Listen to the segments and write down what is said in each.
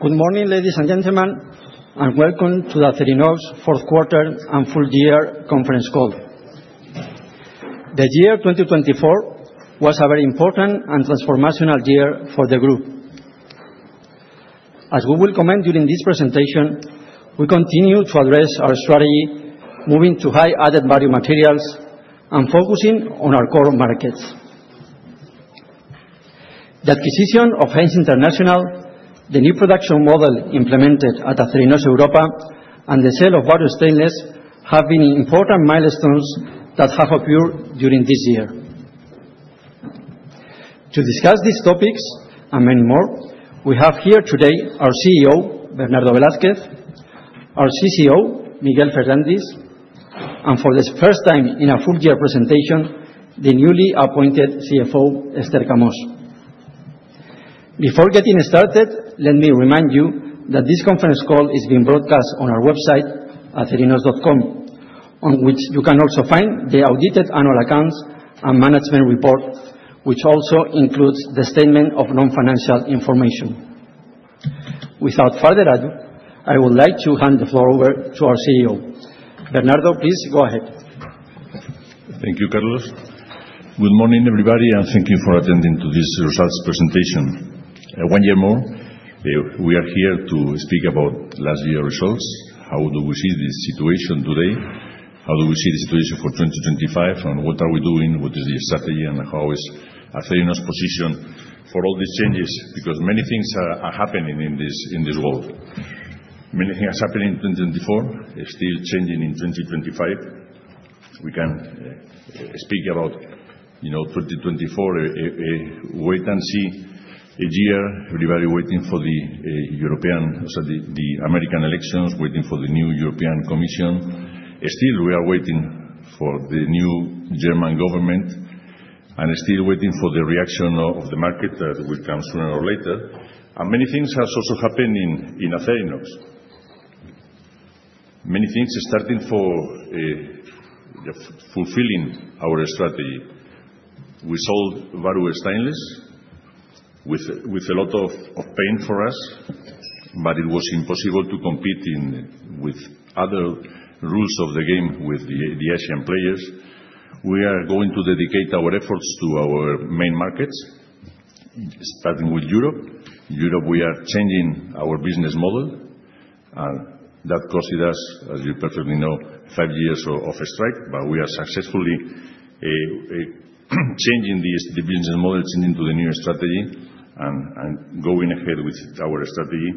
Good morning, ladies and gentlemen, and welcome to the Acerinox Fourth Quarter and Full Year Conference Call. The year 2024 was a very important and transformational year for the group. As we will comment during this presentation, we continue to address our strategy, moving to high-added value materials and focusing on our core markets. The acquisition of Haynes International, the new production model implemented at Acerinox Europa, and the sale of Bahru Stainless have been important milestones that have occurred during this year. To discuss these topics and many more, we have here today our CEO, Bernardo Velázquez, our CCO, Miguel Ferrandis, and for the first time in a full-year presentation, the newly appointed CFO, Esther Camós. Before getting started, let me remind you that this conference call is being broadcast on our website, acerinox.com, on which you can also find the audited annual accounts and management report, which also includes the statement of non-financial information. Without further ado, I would like to hand the floor over to our CEO. Bernardo, please go ahead. Thank you, Carlos. Good morning, everybody, and thank you for attending to this results presentation. One year more, we are here to speak about last year's results. How do we see the situation today? How do we see the situation for 2025, and what are we doing? What is the strategy, and how is Acerinox's position for all these changes? Because many things are happening in this world. Many things are happening in 2024, still changing in 2025. We can speak about 2024, a wait-and-see year, everybody waiting for the American elections, waiting for the new European Commission. Still, we are waiting for the new German government and still waiting for the reaction of the market that will come sooner or later, and many things are also happening in Acerinox. Many things are starting for fulfilling our strategy. We sold Bahru Stainless with a lot of pain for us, but it was impossible to compete with other rules of the game with the Asian players. We are going to dedicate our efforts to our main markets, starting with Europe. In Europe, we are changing our business model. That costed us, as you perfectly know, five years of a strike, but we are successfully changing the business model, changing to the new strategy, and going ahead with our strategy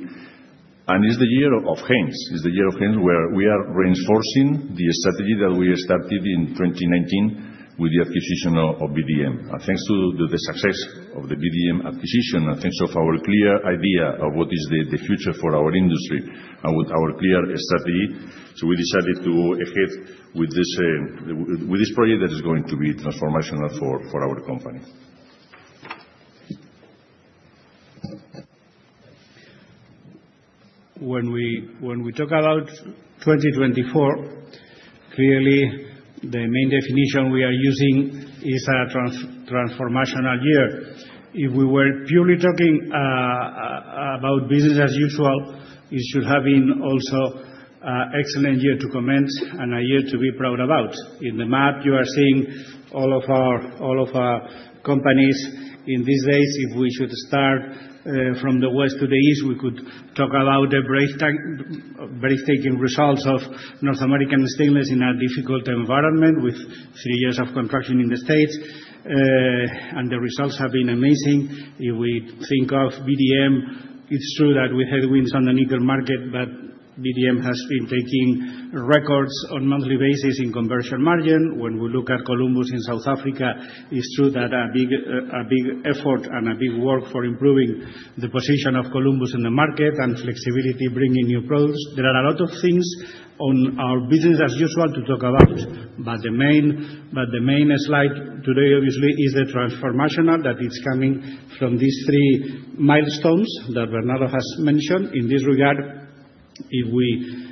and it's the year of Haynes. It's the year of Haynes where we are reinforcing the strategy that we started in 2019 with the acquisition of VDM. Thanks to the success of the VDM acquisition and thanks to our clear idea of what is the future for our industry and with our clear strategy, we decided to go ahead with this project that is going to be transformational for our company. When we talk about 2024, clearly, the main definition we are using is a transformational year. If we were purely talking about business as usual, it should have been also an excellent year to comment and a year to be proud about. In the map, you are seeing all of our companies in these days. If we should start from the west to the east, we could talk about the breathtaking results of North American Stainless in a difficult environment with three years of construction in the States. And the results have been amazing. If we think of VDM, it's true that we had wins on the nickel market, but VDM has been taking records on a monthly basis in conversion margin. When we look at Columbus in South Africa, it's true that a big effort and a big work for improving the position of Columbus in the market and flexibility bringing new products. There are a lot of things on our business as usual to talk about, but the main slide today, obviously, is the transformational that is coming from these three milestones that Bernardo has mentioned. In this regard, if we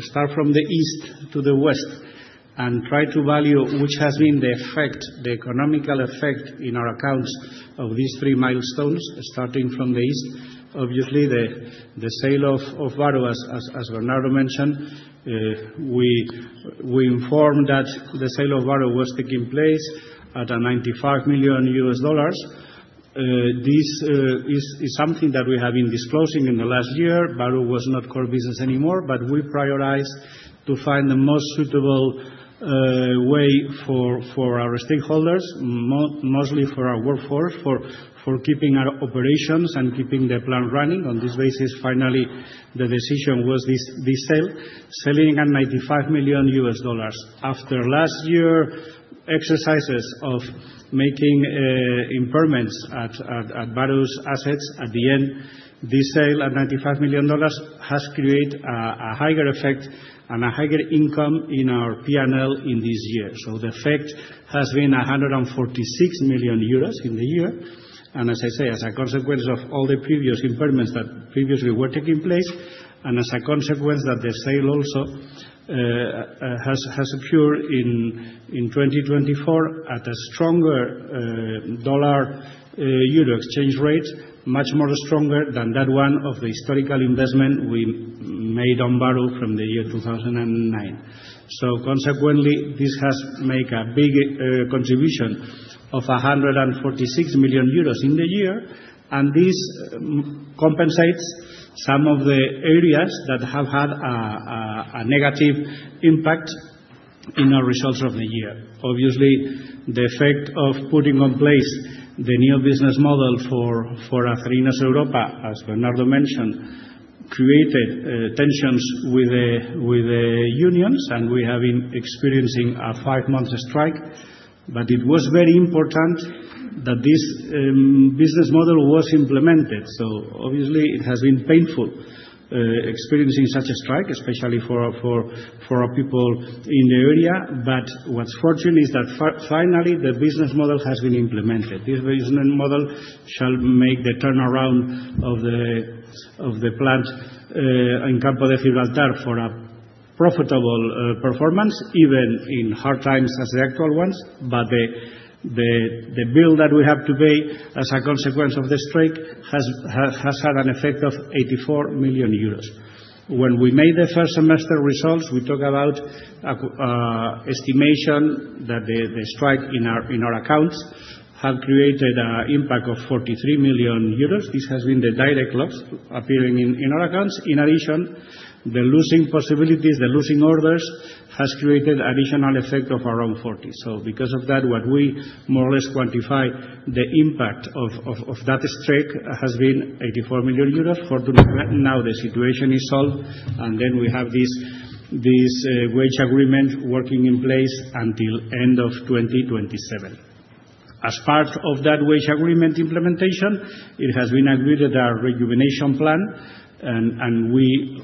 start from the east to the west and try to value which has been the effect, the economical effect in our accounts of these three milestones starting from the east, obviously, the sale of Bahru, as Bernardo mentioned. We informed that the sale of Bahru was taking place at $95 million. This is something that we have been disclosing in the last year. Bahru was not core business anymore, but we prioritized to find the most suitable way for our stakeholders, mostly for our workforce, for keeping our operations and keeping the plant running. On this basis, finally, the decision was this sale, selling at $95 million. After last year's exercises of making impairments at Bahru's assets, at the end, this sale at $95 million has created a higher effect and a higher income in our P&L in this year, so the effect has been 146 million euros in the year, and as I say, as a consequence of all the previous impairments that previously were taking place, and as a consequence that the sale also has occurred in 2024 at a stronger dollar-euro exchange rate, much more stronger than that one of the historical investment we made on Bahru from the year 2009. Consequently, this has made a big contribution of 146 million euros in the year, and this compensates some of the areas that have had a negative impact in our results of the year. Obviously, the effect of putting in place the new business model for Acerinox Europa, as Bernardo mentioned, created tensions with the unions, and we have been experiencing a five-month strike. It was very important that this business model was implemented. Obviously, it has been painful experiencing such a strike, especially for our people in the area. What's fortunate is that finally the business model has been implemented. This business model shall make the turnaround of the plant in Campo de Gibraltar for a profitable performance, even in hard times as the actual ones. But the bill that we have to pay as a consequence of the strike has had an effect of 84 million euros. When we made the first semester results, we talk about an estimation that the strike in our accounts has created an impact of 43 million euros. This has been the direct loss appearing in our accounts. In addition, the losing possibilities, the losing orders have created an additional effect of around 40 million. So because of that, what we more or less quantify, the impact of that strike has been 84 million euros. Fortunately, now the situation is solved, and then we have this wage agreement working in place until the end of 2027. As part of that wage agreement implementation, it has been agreed that there is a Rejuvenation Plan, and we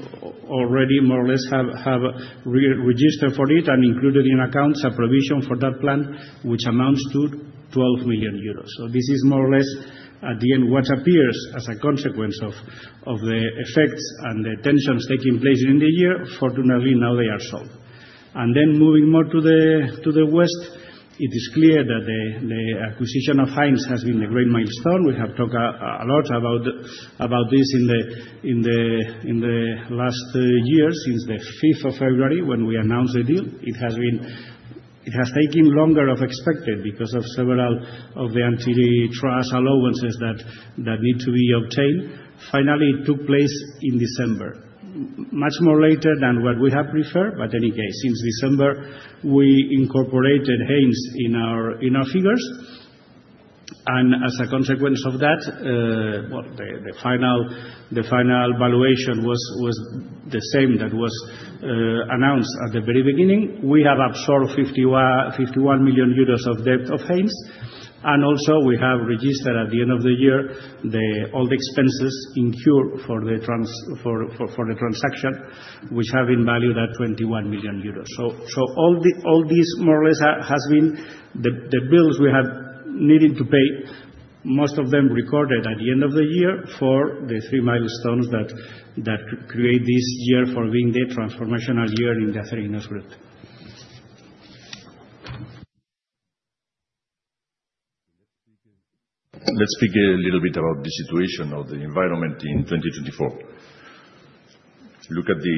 already more or less have registered for it and included in accounts a provision for that plan, which amounts to 12 million euros. So this is more or less, at the end, what appears as a consequence of the effects and the tensions taking place in the year. Fortunately, now they are solved. And then moving more to the west, it is clear that the acquisition of Haynes has been the great milestone. We have talked a lot about this in the last year since the 5th of February when we announced the deal. It has taken longer than expected because of several of the antitrust allowances that need to be obtained. Finally, it took place in December, much more later than what we have preferred. Anyway, since December, we incorporated Haynes in our figures. As a consequence of that, the final valuation was the same that was announced at the very beginning. We have absorbed 51 million euros of debt of Haynes. Also, we have registered at the end of the year all the expenses incurred for the transaction, which have been valued at 21 million euros. All this more or less has been the bills we have needed to pay, most of them recorded at the end of the year for the three milestones that create this year for being the transformational year in the Acerinox group. Let's speak a little bit about the situation of the environment in 2024. Look at the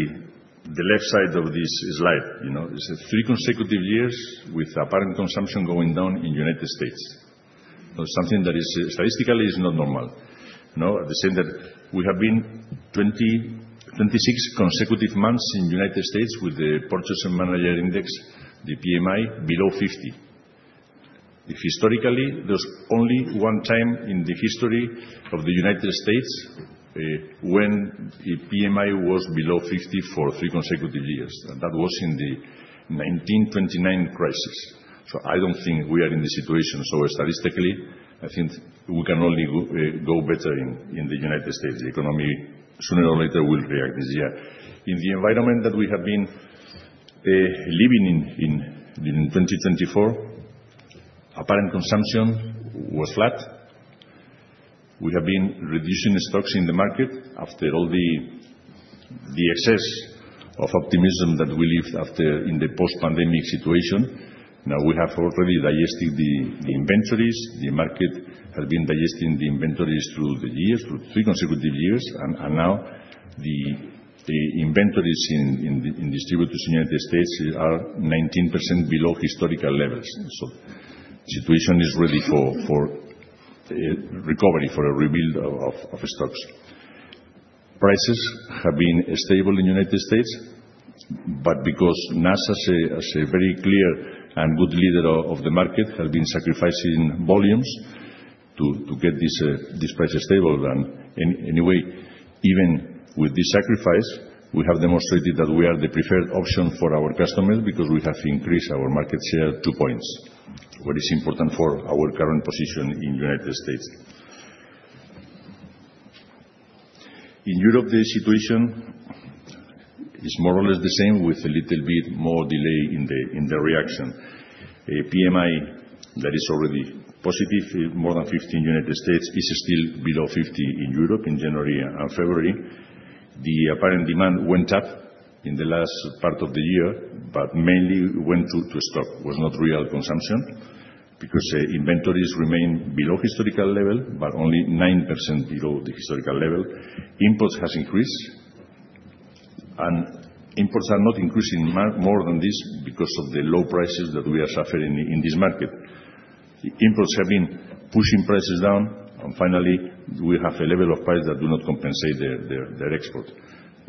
left side of this slide. It's three consecutive years with apparent consumption going down in the United States. That's something that statistically is not normal. We have been 26 consecutive months in the United States with the Purchasing Managers' Index, the PMI, below 50. Historically, there was only one time in the history of the United States when the PMI was below 50 for three consecutive years. That was in the 1929 crisis. So I don't think we are in the situation. So statistically, I think we can only go better in the United States. The economy sooner or later will react this year. In the environment that we have been living in 2024, apparent consumption was flat. We have been reducing stocks in the market after all the excess of optimism that we lived after in the post-pandemic situation. Now we have already digested the inventories. The market has been digesting the inventories through the years, through three consecutive years, and now the inventories in distributors in the United States are 19% below historical levels. So the situation is ready for recovery, for a rebuild of stocks. Prices have been stable in the United States, but because NAS, as a very clear and good leader of the market, has been sacrificing volumes to get these prices stable. And anyway, even with this sacrifice, we have demonstrated that we are the preferred option for our customers because we have increased our market share two points, which is important for our current position in the United States. In Europe, the situation is more or less the same, with a little bit more delay in the reaction. PMI that is already positive, more than 50 in the United States, is still below 50 in Europe in January and February. The apparent demand went up in the last part of the year, but mainly went to stock, was not real consumption, because inventories remain below historical level, but only 9% below the historical level. Imports have increased, and imports are not increasing more than this because of the low prices that we are suffering in this market. Imports have been pushing prices down, and finally, we have a level of price that does not compensate their export.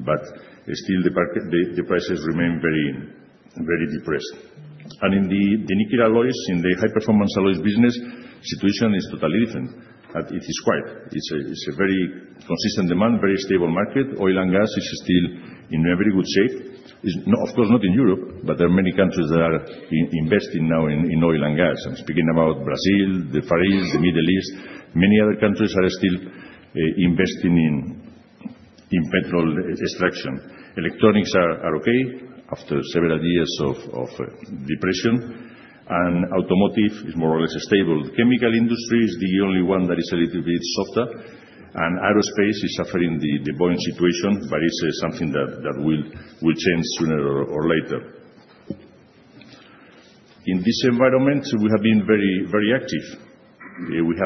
But still, the prices remain very depressed, and in the nickel alloys, in the High-Performance Alloys business, the situation is totally different. It is quiet. It's a very consistent demand, very stable market. Oil and gas is still in very good shape. Of course, not in Europe, but there are many countries that are investing now in oil and gas. I'm speaking about Brazil, the Far East, the Middle East. Many other countries are still investing in petrol extraction. Electronics are okay after several years of depression, and automotive is more or less stable. The chemical industry is the only one that is a little bit softer, and aerospace is suffering the Boeing situation, but it's something that will change sooner or later. In this environment, we have been very active. We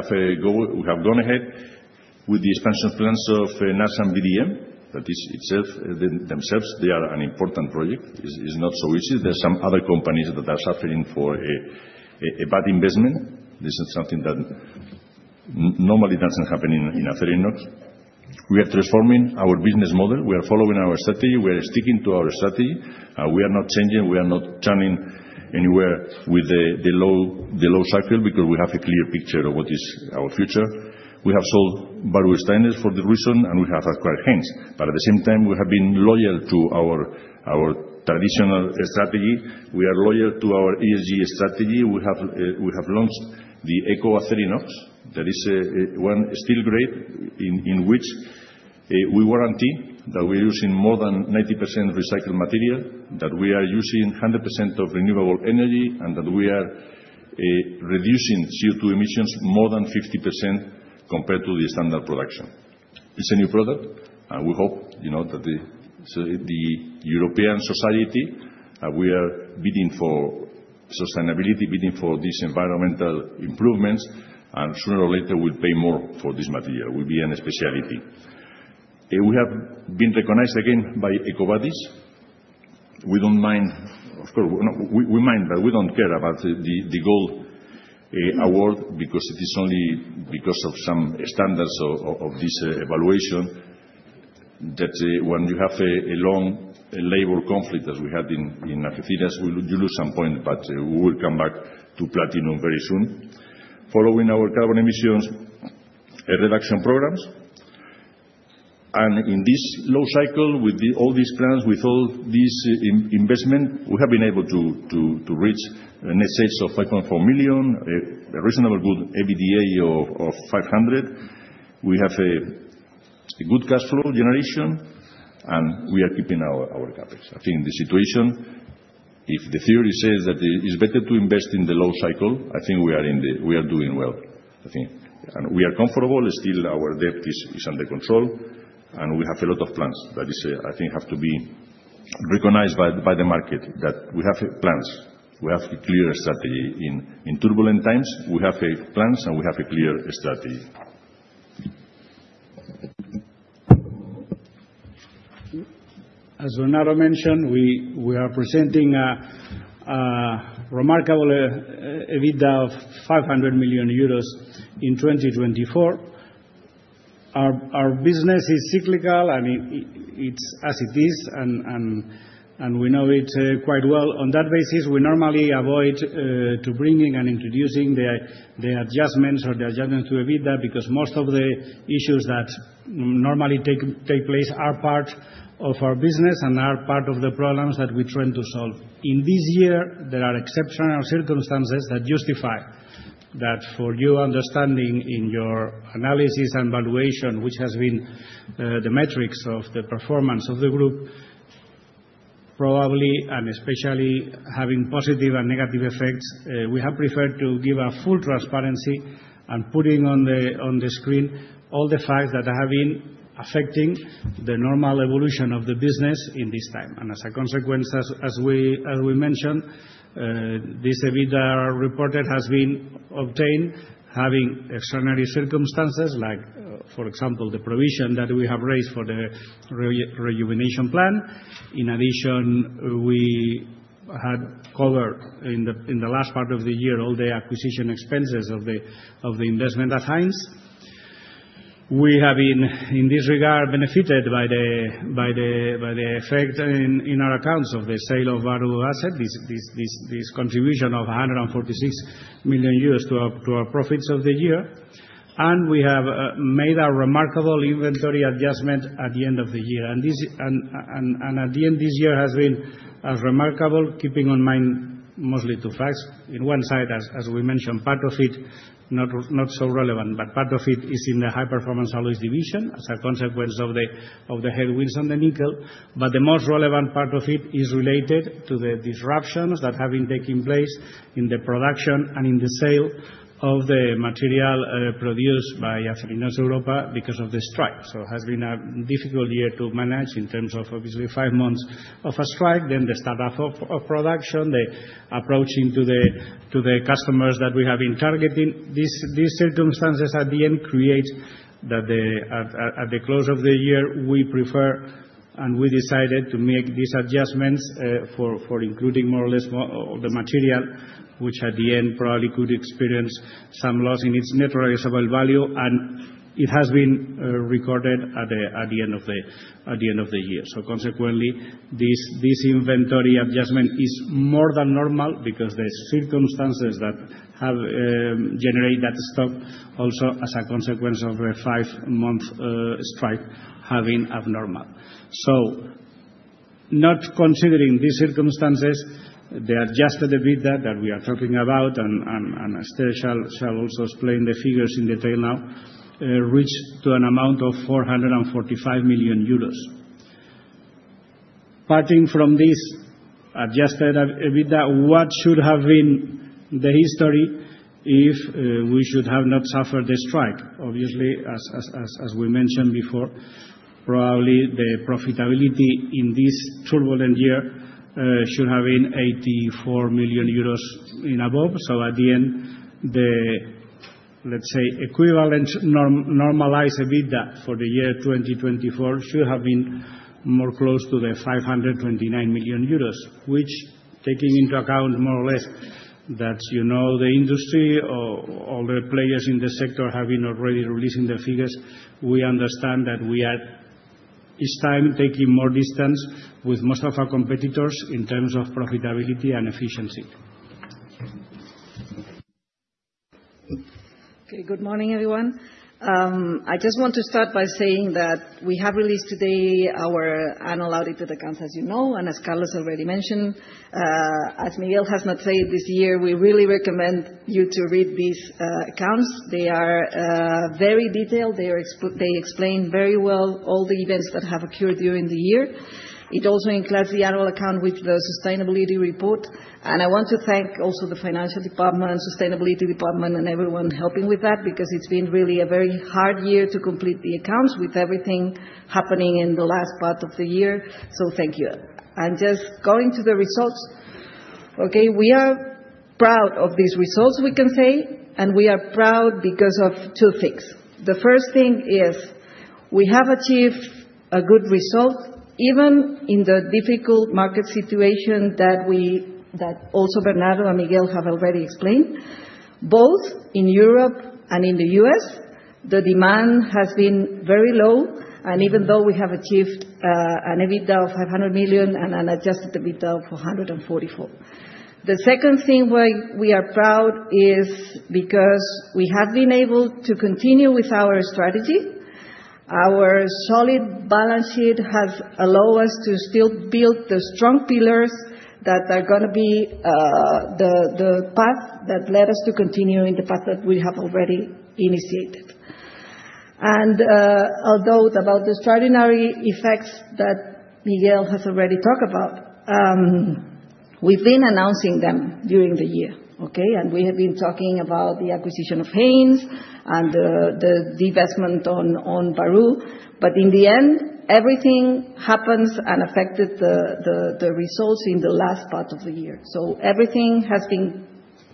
have gone ahead with the expansion plans of NAS and VDM, that is themselves. They are an important project. It's not so easy. There are some other companies that are suffering for a bad investment. This is something that normally doesn't happen in Acerinox. We are transforming our business model. We are following our strategy. We are sticking to our strategy. We are not changing. We are not turning anywhere with the low cycle because we have a clear picture of what is our future. We have sold Bahru Stainless for this reason, and we have acquired Haynes. But at the same time, we have been loyal to our traditional strategy. We are loyal to our ESG strategy. We have launched the EcoAcerinox. That is one steel grade in which we warrant that we are using more than 90% recycled material, that we are using 100% of renewable energy, and that we are reducing CO2 emissions more than 50% compared to the standard production. It's a new product, and we hope that the European society we are bidding for sustainability, bidding for these environmental improvements, and sooner or later, we'll pay more for this material. It will be a specialty. We have been recognized again by EcoVadis. We don't mind, of course. We mind, but we don't care about the Gold award because it is only because of some standards of this evaluation that when you have a long labor conflict as we had in Algeciras, you lose some points, but we will come back to Platinum very soon. Following our carbon emissions reduction programs, and in this low cycle with all these plans, with all this investment, we have been able to reach an SH of 5.4 million, a reasonably good EBITDA of 500. We have a good cash flow generation, and we are keeping our CapEx. I think the situation, if the theory says that it's better to invest in the low cycle, I think we are doing well. I think we are comfortable. Still, our debt is under control, and we have a lot of plans. That is, I think, have to be recognized by the market that we have plans. We have a clear strategy. In turbulent times, we have plans, and we have a clear strategy. As Bernardo mentioned, we are presenting a remarkable EBITDA of 500 million euros in 2024. Our business is cyclical, and it's as it is, and we know it quite well. On that basis, we normally avoid bringing and introducing the adjustments or the adjustments to EBITDA because most of the issues that normally take place are part of our business and are part of the problems that we try to solve. In this year, there are exceptional circumstances that justify that for your understanding in your analysis and valuation, which has been the metrics of the performance of the group, probably, and especially having positive and negative effects, we have preferred to give full transparency and put on the screen all the facts that have been affecting the normal evolution of the business in this time. And as a consequence, as we mentioned, this EBITDA report has been obtained having extraordinary circumstances, like, for example, the provision that we have raised for the Rejuvenation Plan. In addition, we had covered in the last part of the year all the acquisition expenses of the investment at Haynes. We have, in this regard, benefited by the effect in our accounts of the sale of Bahru asset, this contribution of 146 million euros to our profits of the year. And we have made a remarkable inventory adjustment at the end of the year. And at the end, this year has been remarkable, keeping in mind mostly two facts. On one side, as we mentioned, part of it, not so relevant, but part of it is in the High-Performance Alloys division as a consequence of the headwinds and the nickel. But the most relevant part of it is related to the disruptions that have been taking place in the production and in the sale of the material produced by Acerinox Europa because of the strike. So it has been a difficult year to manage in terms of, obviously, five months of a strike, then the startup of production, the approaching to the customers that we have been targeting. These circumstances at the end create that at the close of the year, we prefer and we decided to make these adjustments for including more or less all the material, which at the end probably could experience some loss in its net realizable value. And it has been recorded at the end of the year. So consequently, this inventory adjustment is more than normal because the circumstances that have generated that stock also, as a consequence of a five-month strike, have been abnormal. So not considering these circumstances, the adjusted EBITDA that we are talking about, and Esther shall also explain the figures in detail now, reached to an amount of 445 million euros. Parting from this adjusted EBITDA, what should have been the history if we should have not suffered the strike? Obviously, as we mentioned before, probably the profitability in this turbulent year should have been 84 million euros and above. So at the end, let's say, equivalent normalized EBITDA for the year 2024 should have been more close to the 529 million euros, which, taking into account more or less that you know the industry or all the players in the sector have been already releasing their figures, we understand that we are this time taking more distance with most of our competitors in terms of profitability and efficiency. Okay. Good morning, everyone. I just want to start by saying that we have released today our annual audited accounts, as you know, and as Carlos already mentioned, as Miguel has said, this year, we really recommend you to read these accounts. They are very detailed. They explain very well all the events that have occurred during the year. It also includes the annual account with the sustainability report. And I want to thank also the financial department, sustainability department, and everyone helping with that because it's been really a very hard year to complete the accounts with everything happening in the last part of the year. So thank you. And just going to the results, okay, we are proud of these results, we can say, and we are proud because of two things. The first thing is we have achieved a good result even in the difficult market situation that also Bernardo and Miguel have already explained. Both in Europe and in the US, the demand has been very low, and even though we have achieved an EBITDA of 500 million and an adjusted EBITDA of 444 million. The second thing we are proud of is because we have been able to continue with our strategy. Our solid balance sheet has allowed us to still build the strong pillars that are going to be the path that led us to continue in the path that we have already initiated. And although about the extraordinary effects that Miguel has already talked about, we've been announcing them during the year, okay? And we have been talking about the acquisition of Haynes and the divestment on Bahru. But in the end, everything happened and affected the results in the last part of the year. So everything has been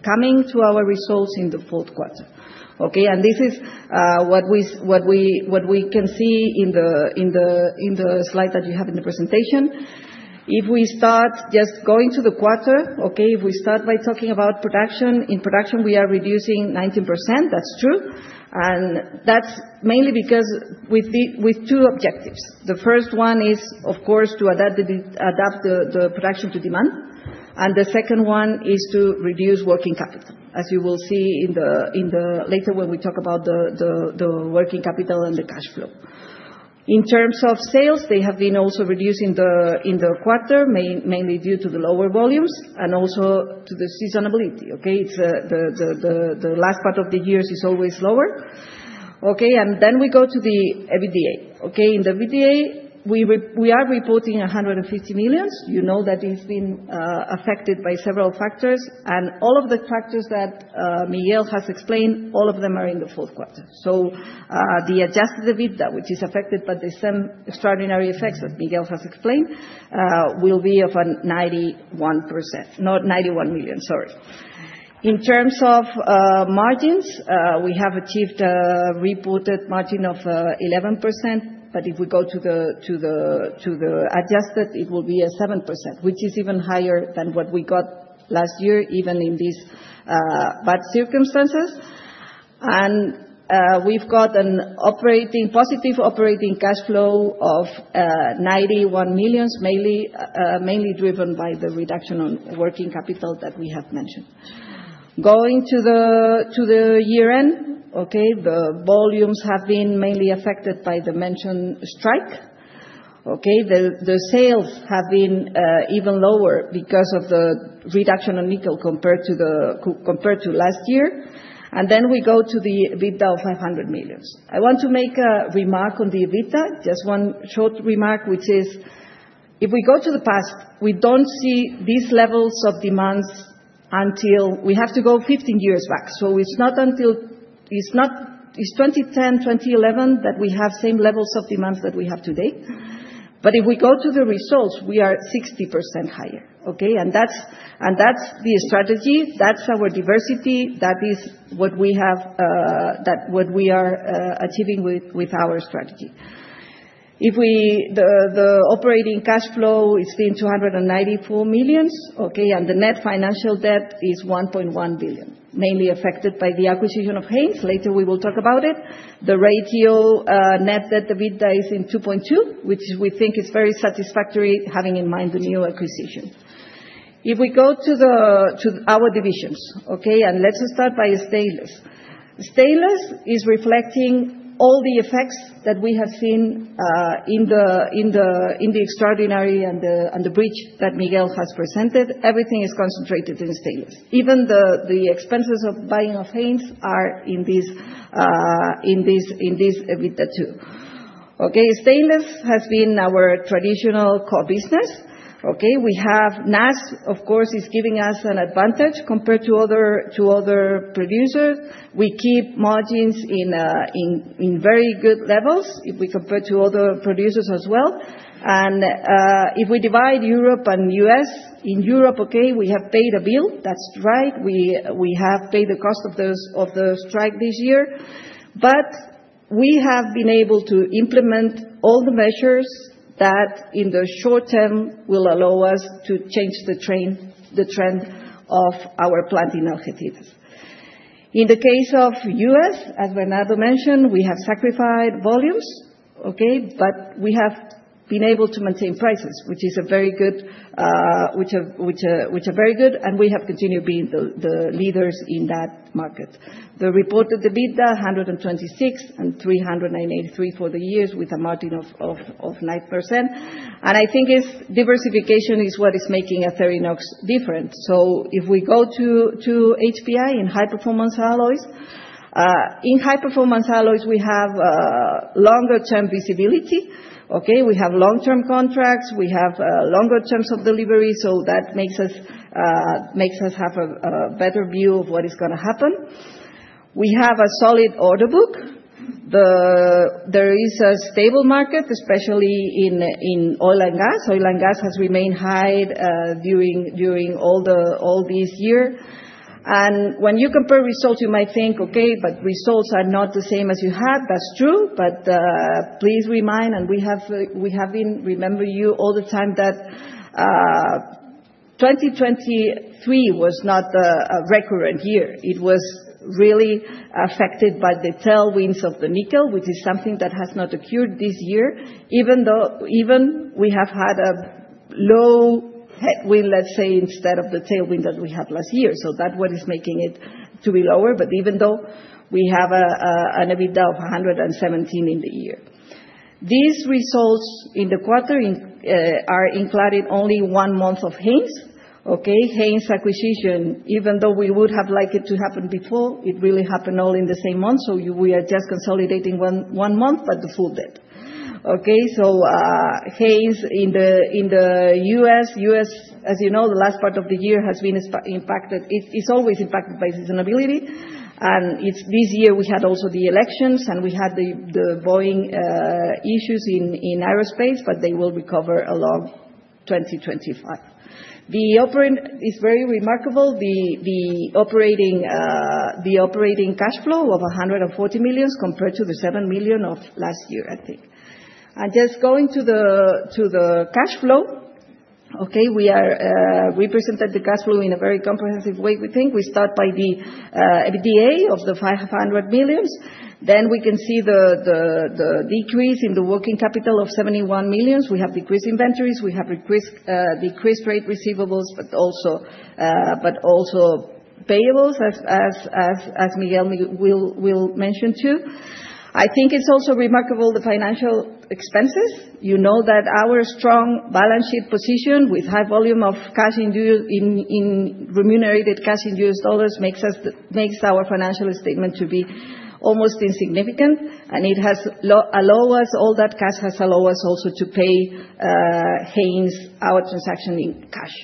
coming to our results in the fourth quarter, okay? And this is what we can see in the slide that you have in the presentation. If we start just going to the quarter, okay, if we start by talking about production, in production, we are reducing 19%. That's true. And that's mainly because with two objectives. The first one is, of course, to adapt the production to demand. And the second one is to reduce working capital, as you will see later when we talk about the working capital and the cash flow. In terms of sales, they have been also reduced in the quarter, mainly due to the lower volumes and also to the seasonality, okay? The last part of the year is always lower, okay? Then we go to the EBITDA, okay? In the EBITDA, we are reporting 150 million. You know that it's been affected by several factors. All of the factors that Miguel has explained, all of them are in the fourth quarter. So the adjusted EBITDA, which is affected by the same extraordinary effects that Miguel has explained, will be of 91 million, sorry. In terms of margins, we have achieved a reported margin of 11%. If we go to the adjusted, it will be 7%, which is even higher than what we got last year, even in these bad circumstances. We've got a positive operating cash flow of 91 million, mainly driven by the reduction on working capital that we have mentioned. Going to the year-end, okay, the volumes have been mainly affected by the mentioned strike, okay? The sales have been even lower because of the reduction on nickel compared to last year. And then we go to the EBITDA of 500 million. I want to make a remark on the EBITDA, just one short remark, which is if we go to the past, we don't see these levels of demands until we have to go 15 years back. So it's not until it's 2010, 2011 that we have the same levels of demands that we have today. But if we go to the results, we are 60% higher, okay? And that's the strategy. That's our diversity. That is what we have that what we are achieving with our strategy. The operating cash flow is 294 million, okay? And the net financial debt is 1.1 billion, mainly affected by the acquisition of Haynes. Later, we will talk about it. The ratio net debt to EBITDA is in 2.2, which we think is very satisfactory having in mind the new acquisition. If we go to our divisions, okay, and let's start by stainless. Stainless is reflecting all the effects that we have seen in the extraordinary and the breach that Miguel has presented. Everything is concentrated in stainless. Even the expenses of buying of Haynes are in this EBITDA too. Okay? Stainless has been our traditional core business, okay? We have NAS, of course, is giving us an advantage compared to other producers. We keep margins in very good levels if we compare to other producers as well. And if we divide Europe and U.S., in Europe, okay, we have paid a bill. That's right. We have paid the cost of the strike this year. But we have been able to implement all the measures that in the short term will allow us to change the trend of our planning objectives. In the case of U.S., as Bernardo mentioned, we have sacrificed volumes, okay? But we have been able to maintain prices, which is a very good, which are very good, and we have continued being the leaders in that market. The reported EBITDA, 126 million and 383 million for the years with a margin of 9%. And I think diversification is what is making Acerinox different. So if we go to HPA in High-Performance Alloys, we have longer-term visibility, okay? We have long-term contracts. We have longer terms of delivery. So that makes us have a better view of what is going to happen. We have a solid order book. There is a stable market, especially in oil and gas. Oil and gas has remained high during all this year, and when you compare results, you might think, "Okay, but results are not the same as you have." That's true, but please remember, and we have been reminding you all the time that 2023 was not a recurrent year. It was really affected by the tailwinds of the nickel, which is something that has not occurred this year, even though we have had a low headwind, let's say, instead of the tailwind that we had last year, so that's what is making it to be lower, but even though we have an EBITDA of 117 in the year, these results in the quarter are including only one month of Haynes, okay? Haynes acquisition, even though we would have liked it to happen before, it really happened all in the same month. We are just consolidating one month, but the full year, okay. Haynes in the U.S., as you know, the last part of the year has been impacted. It's always impacted by seasonality. This year, we had also the elections, and we had the Boeing issues in aerospace, but they will recover along 2025. The operating is very remarkable. The operating cash flow of 140 million compared to the 7 million of last year, I think. Just going to the cash flow, okay, we presented the cash flow in a very comprehensive way, we think. We start by the EBITDA of 500 million. Then we can see the decrease in the working capital of 71 million. We have decreased inventories. We have decreased trade receivables, but also payables, as Miguel will mention too. I think it's also remarkable the financial expenses. You know that our strong balance sheet position with high volume of cash in remunerated cash in U.S. dollars makes our financial statement to be almost insignificant. It has allowed us all that cash has allowed us also to pay Haynes our transaction in cash,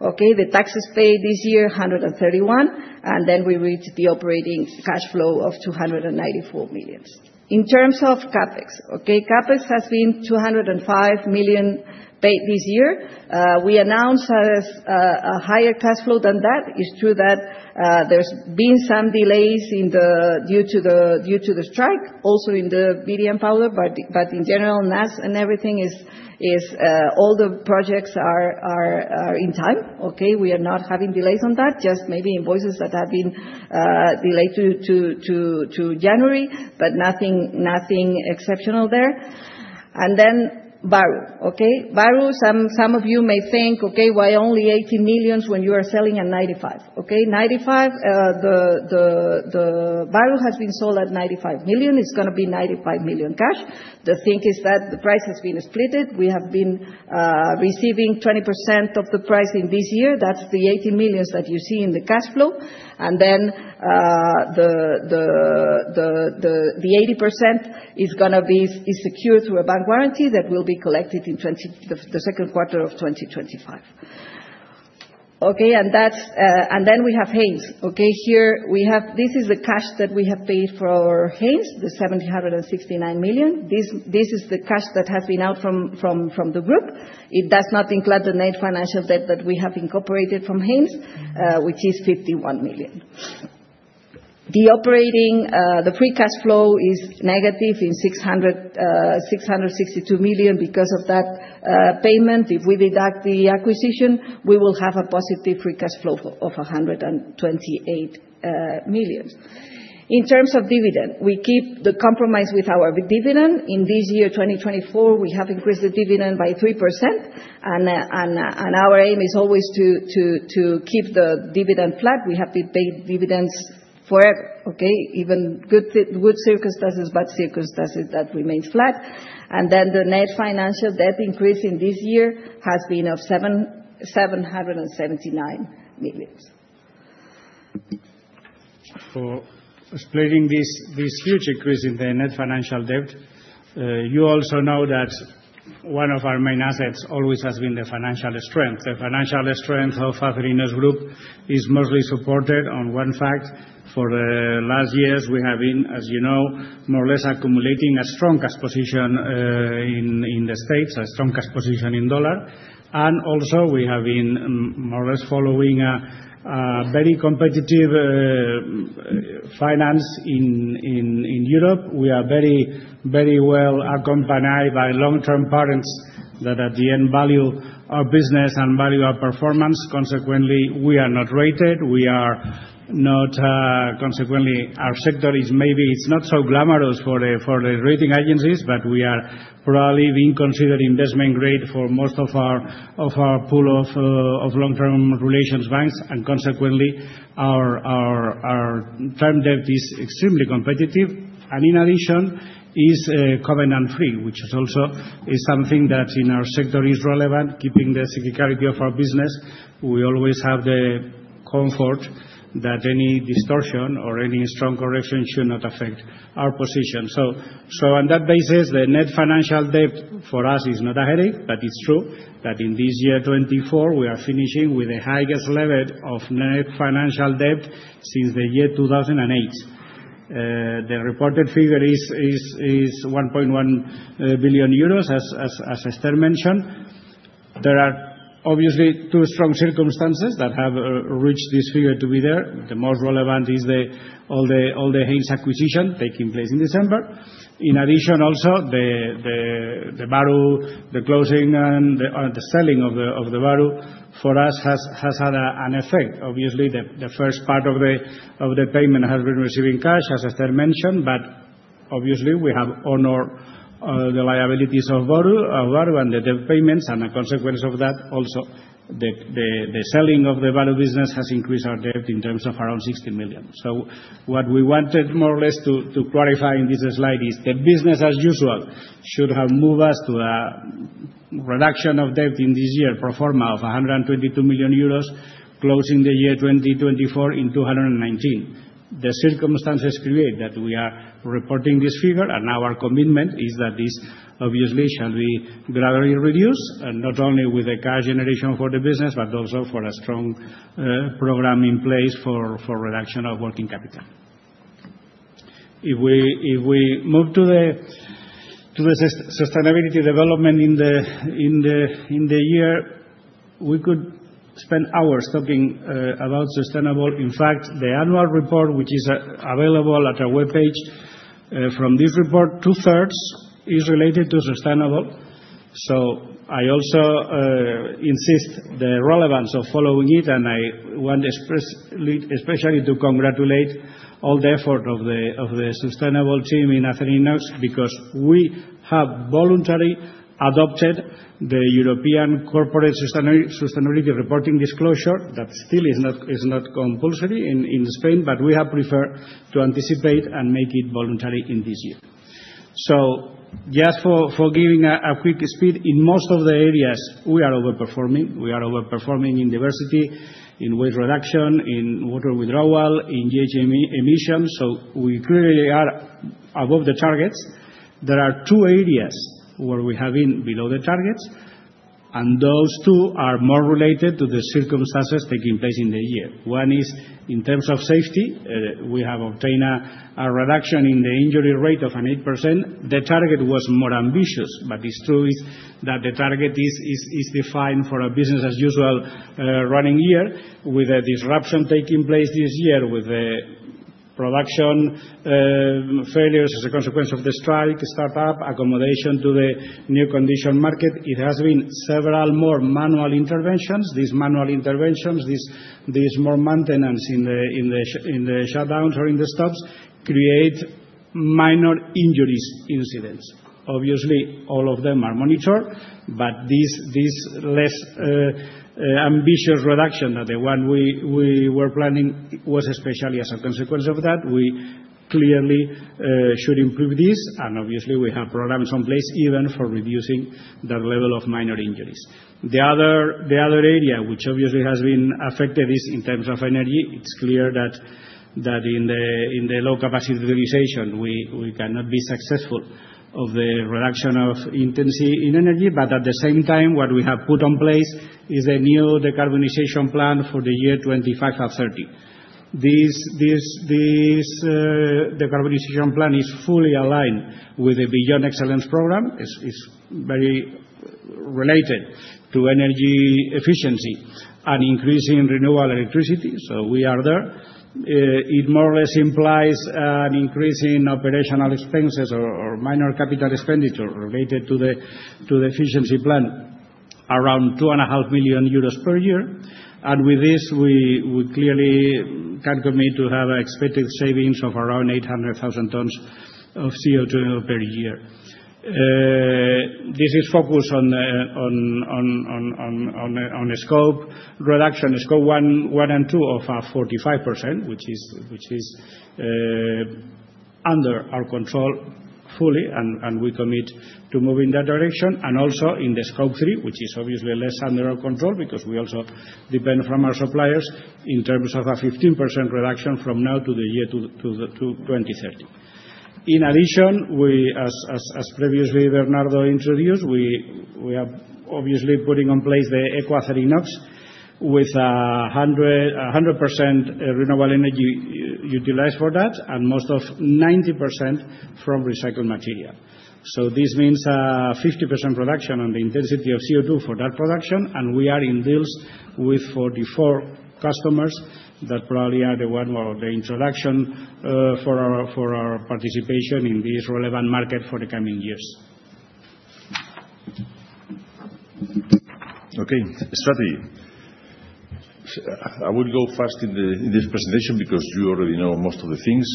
okay? The taxes paid this year, 131 million. Then we reached the operating cash flow of 294 million. In terms of CapEx, okay, CapEx has been 205 million paid this year. We announced a higher cash flow than that. It is true that there has been some delays due to the strike, also in the VDM powder. In general, NAS and everything is all the projects are in time, okay? We are not having delays on that, just maybe invoices that have been delayed to January, but nothing exceptional there. Then Bahru, okay? Bahru, some of you may think, "Okay, why only 80 million when you are selling at 95?" Okay, 95, Bahru has been sold at 95 million. It's going to be 95 million cash. The thing is that the price has been split. We have been receiving 20% of the price in this year. That's the 80 million that you see in the cash flow. And then the 80% is going to be secured through a bank warranty that will be collected in the second quarter of 2025. Okay, and then we have Haynes, okay? Here we have, this is the cash that we have paid for Haynes, the 769 million. This is the cash that has been out from the group. It does not include the net financial debt that we have incorporated from Haynes, which is 51 million. The operating free cash flow is negative 662 million because of that payment. If we deduct the acquisition, we will have a positive free cash flow of 128 million. In terms of dividend, we keep the commitment with our dividend. In this year, 2024, we have increased the dividend by 3%. Our aim is always to keep the dividend flat. We have to pay dividends forever, okay? Even good circumstances, bad circumstances that remain flat. Then the net financial debt increase in this year has been of 779 million. For splitting this huge increase in the net financial debt, you also know that one of our main assets always has been the financial strength. The financial strength of Acerinox Group is mostly supported on one fact. For the last years, we have been, as you know, more or less accumulating a strong cash position in the States, a strong cash position in dollar. And also, we have been more or less following a very competitive financing in Europe. We are very well accompanied by long-term partners that at the end value our business and value our performance. Consequently, we are not rated. We are not. Consequently, our sector is maybe it's not so glamorous for the rating agencies, but we are probably being considered investment grade for most of our pool of long-term relationship banks. And consequently, our term debt is extremely competitive. In addition, it is covenant-free, which is also something that in our sector is relevant, keeping the cyclicality of our business. We always have the comfort that any distortion or any strong correction should not affect our position. So on that basis, the net financial debt for us is not a headache, but it's true that in this year 2024, we are finishing with the highest level of net financial debt since the year 2008. The reported figure is 1.1 billion euros, as Esther mentioned. There are obviously two strong circumstances that have reached this figure to be there. The most relevant is all the Haynes acquisition taking place in December. In addition, also the Bahru, the closing and the selling of the Bahru for us has had an effect. Obviously, the first part of the payment has been receiving cash, as Esther mentioned. But obviously, we have honored the liabilities of Bahru and the debt payments. And a consequence of that, also the selling of the Bahru business has increased our debt in terms of around 60 million. So what we wanted more or less to clarify in this slide is the business, as usual, should have moved us to a reduction of debt in this year, pro forma of 122 million euros, closing the year 2024 in 219 million. The circumstances create that we are reporting this figure. And our commitment is that this obviously shall be gradually reduced, not only with the cash generation for the business, but also for a strong program in place for reduction of working capital. If we move to the sustainability development in the year, we could spend hours talking about sustainable. In fact, the annual report, which is available at our webpage. From this report, 2/3 is related to sustainability. So I also insist the relevance of following it. And I want to express, especially to congratulate all the effort of the sustainability team in Acerinox because we have voluntarily adopted the European Corporate Sustainability Reporting Directive that still is not compulsory in Spain, but we have preferred to anticipate and make it voluntary in this year. So just for giving a quick speed, in most of the areas, we are overperforming. We are overperforming in diversity, in waste reduction, in water withdrawal, in GHG emissions. So we clearly are above the targets. There are two areas where we have been below the targets. And those two are more related to the circumstances taking place in the year. One is in terms of safety. We have obtained a reduction in the injury rate of 8%. The target was more ambitious. But it's true that the target is defined for a business as usual running year with a disruption taking place this year with the production failures as a consequence of the strike, startup, accommodation to the new condition market. It has been several more manual interventions. These manual interventions, this more maintenance in the shutdowns or in the stops create minor injury incidents. Obviously, all of them are monitored. But this less ambitious reduction than the one we were planning was especially as a consequence of that. We clearly should improve this, and obviously, we have programs in place even for reducing that level of minor injuries. The other area, which obviously has been affected, is in terms of energy. It's clear that in the low capacity utilization, we cannot be successful in the reduction of energy intensity. At the same time, what we have put in place is a new decarbonization plan for the year 2030. This decarbonization plan is fully aligned with the Beyond Excellence program. It's very related to energy efficiency and increasing renewable electricity. We are there. It more or less implies an increase in operational expenses or minor capital expenditure related to the efficiency plan, around 2.5 million euros per year. With this, we clearly can commit to have expected savings of around 800,000 tons of CO2 per year. This is focused on scope reduction, Scope one and two of 45%, which is under our control fully. We commit to move in that direction. And also in the Scope three, which is obviously less under our control because we also depend from our suppliers in terms of a 15% reduction from now to the year 2030. In addition, as previously Bernardo introduced, we are obviously putting in place the EcoAcerinox with 100% renewable energy utilized for that and most of 90% from recycled material. So this means 50% reduction on the intensity of CO2 for that production. And we are in deals with 44 customers that probably are the one or the introduction for our participation in this relevant market for the coming years. Okay. Strategy. I will go fast in this presentation because you already know most of the things.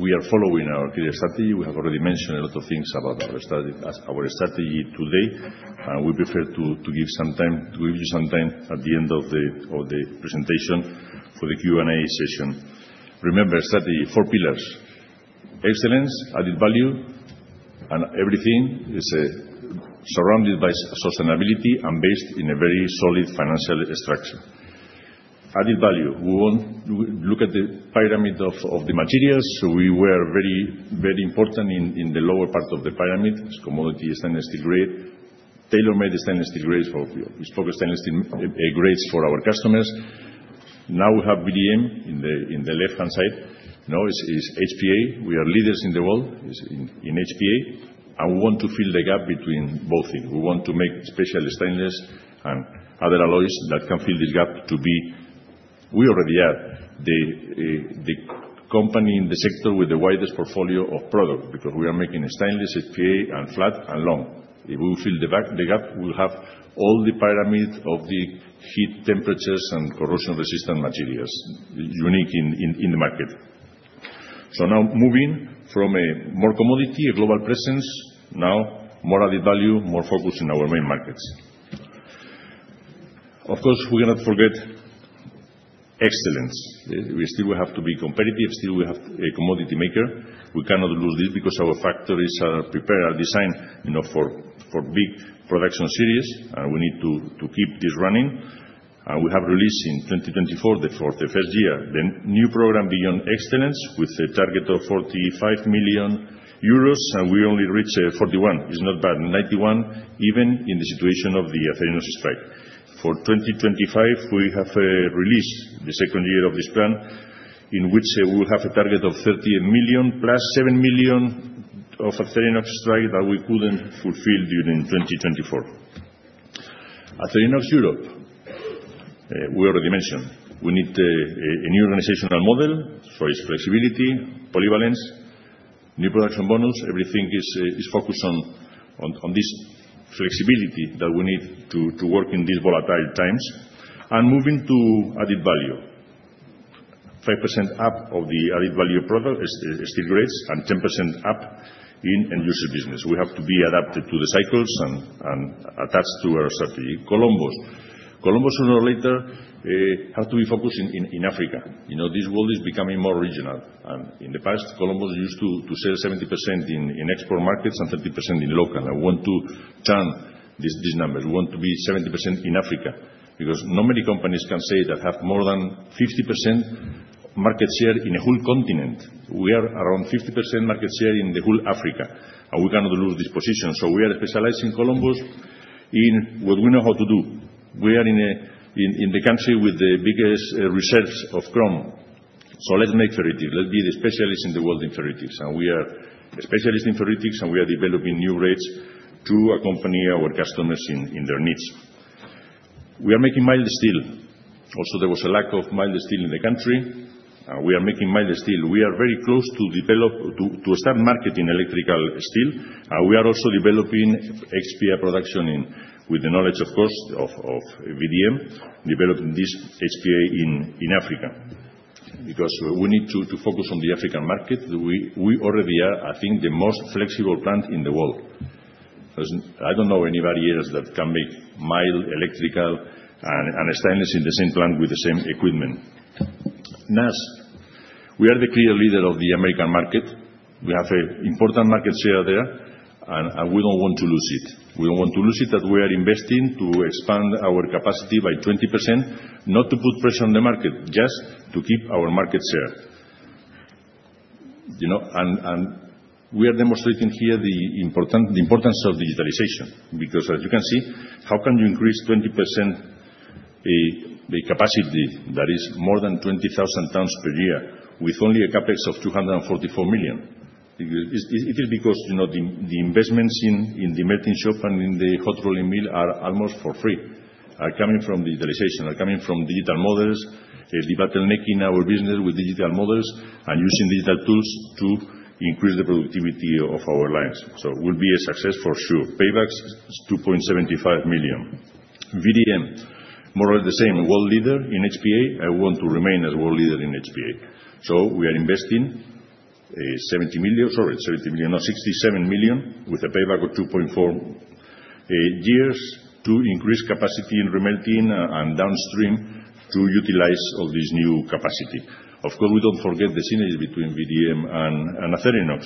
We are following our clear strategy. We have already mentioned a lot of things about our strategy today, and we prefer to give some time to give you some time at the end of the presentation for the Q&A session. Remember, strategy, four pillars: excellence, added value, and everything is surrounded by sustainability and based in a very solid financial structure. Added value. We look at the pyramid of the materials. We were very important in the lower part of the pyramid, commodity stainless steel grade, tailor-made stainless steel grades for our customers. Now we have VDM in the left-hand side. It's HPA. We are leaders in the world in HPA, and we want to fill the gap between both things. We want to make special stainless and other alloys that can fill this gap to be. We already have the company in the sector with the widest portfolio of products because we are making stainless, HPA, and flat and long. If we fill the gap, we'll have all the pyramid of the heat, temperatures, and corrosion-resistant materials unique in the market. So now moving from a more commodity, a global presence, now more added value, more focus in our main markets. Of course, we cannot forget excellence. We still have to be competitive. Still, we have a commodity maker. We cannot lose this because our factories are prepared, are designed for big production series, and we have released in 2024, the first year, the new program Beyond Excellence with a target of 45 million euros, and we only reached 41 million. It's not bad. 91, even in the situation of the Acerinox strike. For 2025, we have released the second year of this plan in which we will have a target of 30 million plus 7 million of Acerinox strike that we couldn't fulfill during 2024. Acerinox Europa, we already mentioned. We need a new organizational model for its flexibility, polyvalence, new production bonus. Everything is focused on this flexibility that we need to work in these volatile times. And moving to added value, 5% up of the added value steel grades and 10% up in end-user business. We have to be adapted to the cycles and attached to our strategy. Columbus. Columbus, sooner or later, has to be focused in Africa. This world is becoming more regional. And in the past, Columbus used to sell 70% in export markets and 30% in local. And we want to turn these numbers. We want to be 70% in Africa because not many companies can say that have more than 50% market share in a whole continent. We are around 50% market share in the whole Africa, and we cannot lose this position, so we are specializing Columbus in what we know how to do. We are in the country with the biggest reserves of chrome, so let's make ferritics. Let's be the specialists in the world in ferritics, and we are specialists in ferritics, and we are developing new grades to accompany our customers in their needs. We are making mild steel. Also, there was a lack of mild steel in the country. We are making mild steel. We are very close to start marketing electrical steel. And we are also developing HPA production with the knowledge, of course, of VDM, developing this HPA in Africa because we need to focus on the African market. We already are, I think, the most flexible plant in the world. I don't know anybody else that can make mild, electrical, and stainless in the same plant with the same equipment. NAS. We are the clear leader of the American market. We have an important market share there. And we don't want to lose it. We don't want to lose it that we are investing to expand our capacity by 20%, not to put pressure on the market, just to keep our market share. And we are demonstrating here the importance of digitalization because, as you can see, how can you increase 20% the capacity that is more than 20,000 tons per year with only a CapEx of 244 million? It is because the investments in the melting shop and in the hot rolling mill are almost for free, are coming from digitalization, are coming from digital models, debottlenecking our business with digital models and using digital tools to increase the productivity of our lines. So it will be a success for sure. Paybacks, 2.75 million. VDM, more or less the same, world leader in HPA. I want to remain as world leader in HPA. So we are investing 70 million, sorry, 70 million, no, 67 million with a payback of 2.4 years to increase capacity in remelting and downstream to utilize all this new capacity. Of course, we don't forget the synergy between VDM and Acerinox.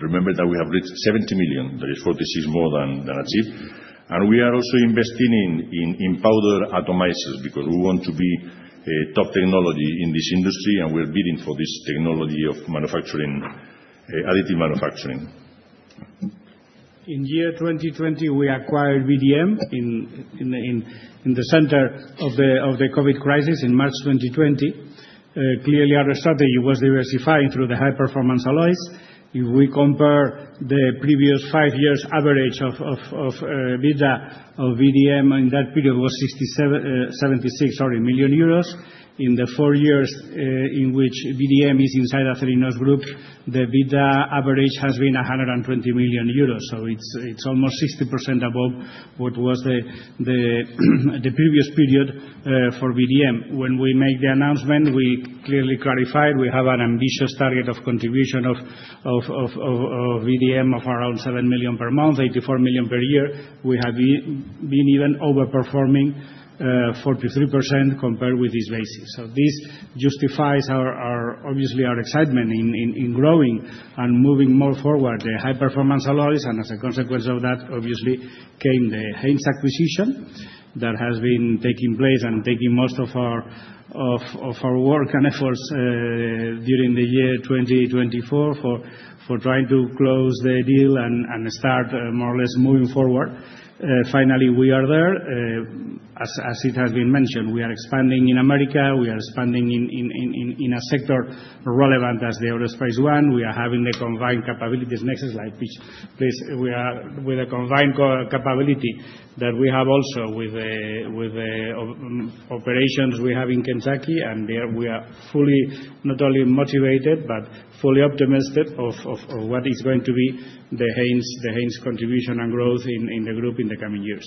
Remember that we have reached 70 million. That is 46 million more than achieved. And we are also investing in powder atomizers because we want to be top technology in this industry. We're bidding for this technology of additive manufacturing. In year 2020, we acquired VDM in the center of the COVID crisis in March 2020. Clearly, our strategy was diversifying through the High-Performance Alloys. If we compare the previous five years' average EBITDA of VDM in that period was 76 million euros, sorry. In the four years in which VDM is inside Acerinox Group, the EBITDA average has been 120 million euros. So it's almost 60% above what was the previous period for VDM. When we made the announcement, we clearly clarified we have an ambitious target of contribution of VDM of around 7 million per month, 84 million per year. We have been even overperforming 43% compared with this basis. So this justifies obviously our excitement in growing and moving more forward, the High-Performance Alloys. And as a consequence of that, obviously came the Haynes acquisition that has been taking place and taking most of our work and efforts during the year 2024 for trying to close the deal and start more or less moving forward. Finally, we are there. As it has been mentioned, we are expanding in America. We are expanding in a sector relevant as the aerospace one. We are having the combined capabilities. Next slide, please. With the combined capability that we have also with the operations we have in Kentucky. And there, we are fully not only motivated but fully optimistic of what is going to be the Haynes contribution and growth in the group in the coming years.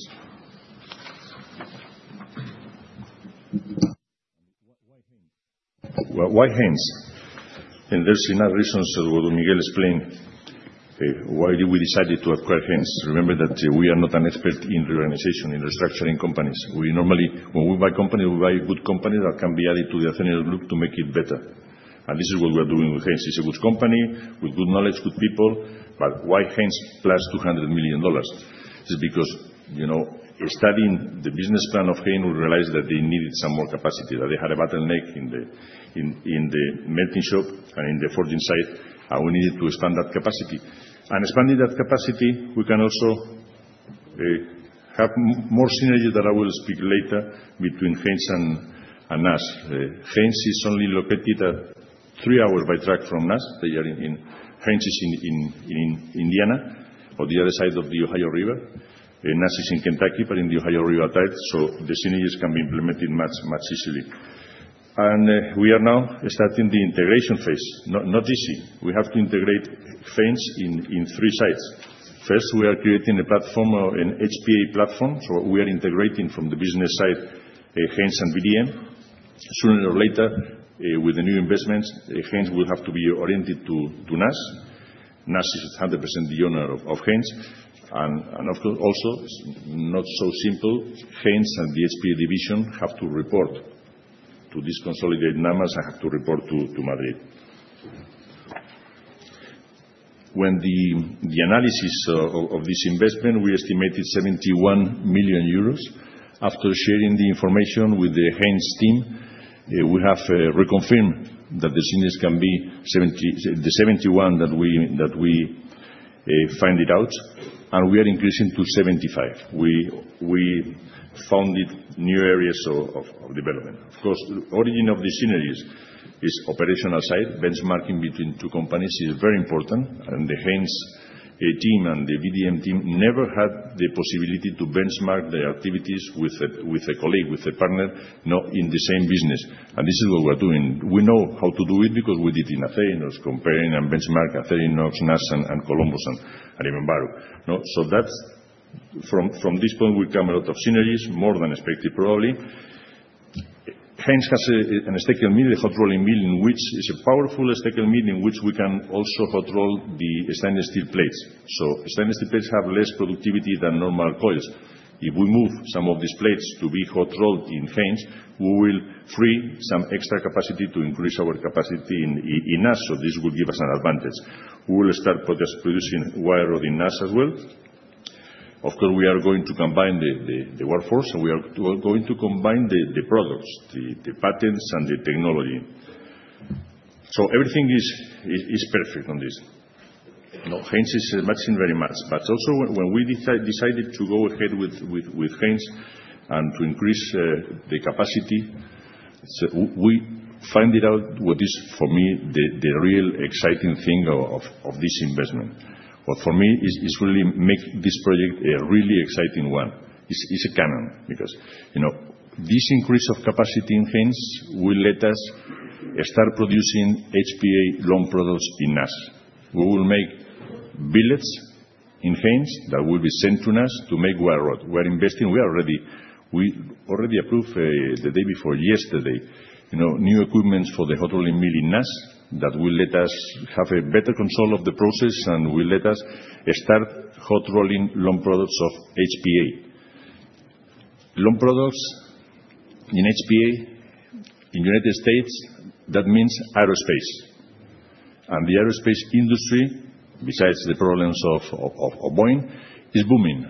Why Haynes? And there's enough reasons that what Miguel explained, why we decided to acquire Haynes. Remember that we are not an expert in reorganization, in restructuring companies. When we buy companies, we buy good companies that can be added to the Acerinox Group to make it better. And this is what we are doing with Haynes. It's a good company with good knowledge, good people. But why Haynes plus $200 million? It's because studying the business plan of Haynes, we realized that they needed some more capacity, that they had a bottleneck in the melting shop and in the forging side. And we needed to expand that capacity. And expanding that capacity, we can also have more synergy that I will speak later between Haynes and NAS. Haynes is only located three hours by truck from NAS. They are in. Haynes is in Indiana, on the other side of the Ohio River. NAS is in Kentucky, but on the Ohio River side. So the synergies can be implemented much easily. We are now starting the integration phase. Not easy. We have to integrate Haynes in three sites. First, we are creating a platform, an HPA platform. So we are integrating from the business side, Haynes and VDM. Sooner or later, with the new investments, Haynes will have to be oriented to NAS. NAS is 100% the owner of Haynes. Also, it's not so simple. Haynes and the HPA division have to report to this consolidated NAS and have to report to Madrid. When the analysis of this investment, we estimated 71 million euros. After sharing the information with the Haynes team, we have reconfirmed that the synergies can be the 71 million that we find out. We are increasing to 75. We founded new areas of development. Of course, the origin of the synergies is operational side. Benchmarking between two companies is very important. The Haynes team and the VDM team never had the possibility to benchmark their activities with a colleague, with a partner, not in the same business. This is what we're doing. We know how to do it because we did in Acerinox, comparing and benchmarking Acerinox, NAS, and Columbus, and even Bahru. From this point, we come a lot of synergies, more than expected, probably. Haynes has a Steckel mill, a hot rolling mill, in which is a powerful Steckel mill in which we can also hot roll the stainless steel plates. Stainless steel plates have less productivity than normal coils. If we move some of these plates to be hot rolled in Haynes, we will free some extra capacity to increase our capacity in NAS, so this will give us an advantage. We will start producing wire rod in NAS as well. Of course, we are going to combine the workforce, so we are going to combine the products, the patents, and the technology, so everything is perfect on this. Haynes is matching very much, but also, when we decided to go ahead with Haynes and to increase the capacity, we found out what is, for me, the real exciting thing of this investment. What for me is really makes this project a really exciting one. It's a kicker because this increase of capacity in Haynes will let us start producing HPA long products in NAS. We will make billets in Haynes that will be sent to NAS to make wire rod. We are investing. We already approved the day before yesterday new equipment for the hot rolling mill in NAS that will let us have a better control of the process and will let us start hot rolling long products of HPA. Long products in HPA in the United States, that means aerospace. And the aerospace industry, besides the problems of Boeing, is booming.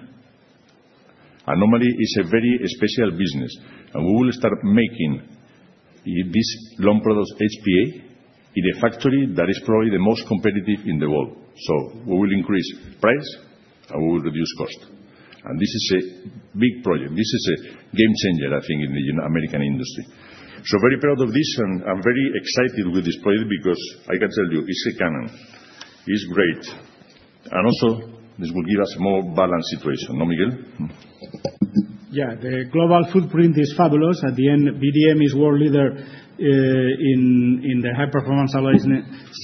And normally, it's a very special business. And we will start making these long products HPA in a factory that is probably the most competitive in the world. So we will increase price and we will reduce cost. And this is a big project. This is a game changer, I think, in the American industry. So very proud of this and very excited with this project because I can tell you it's a canon. It's great. And also, this will give us a more balanced situation. No, Miguel? Yeah. The global footprint is fabulous. At the end, VDM is world leader in the High-Performance Alloys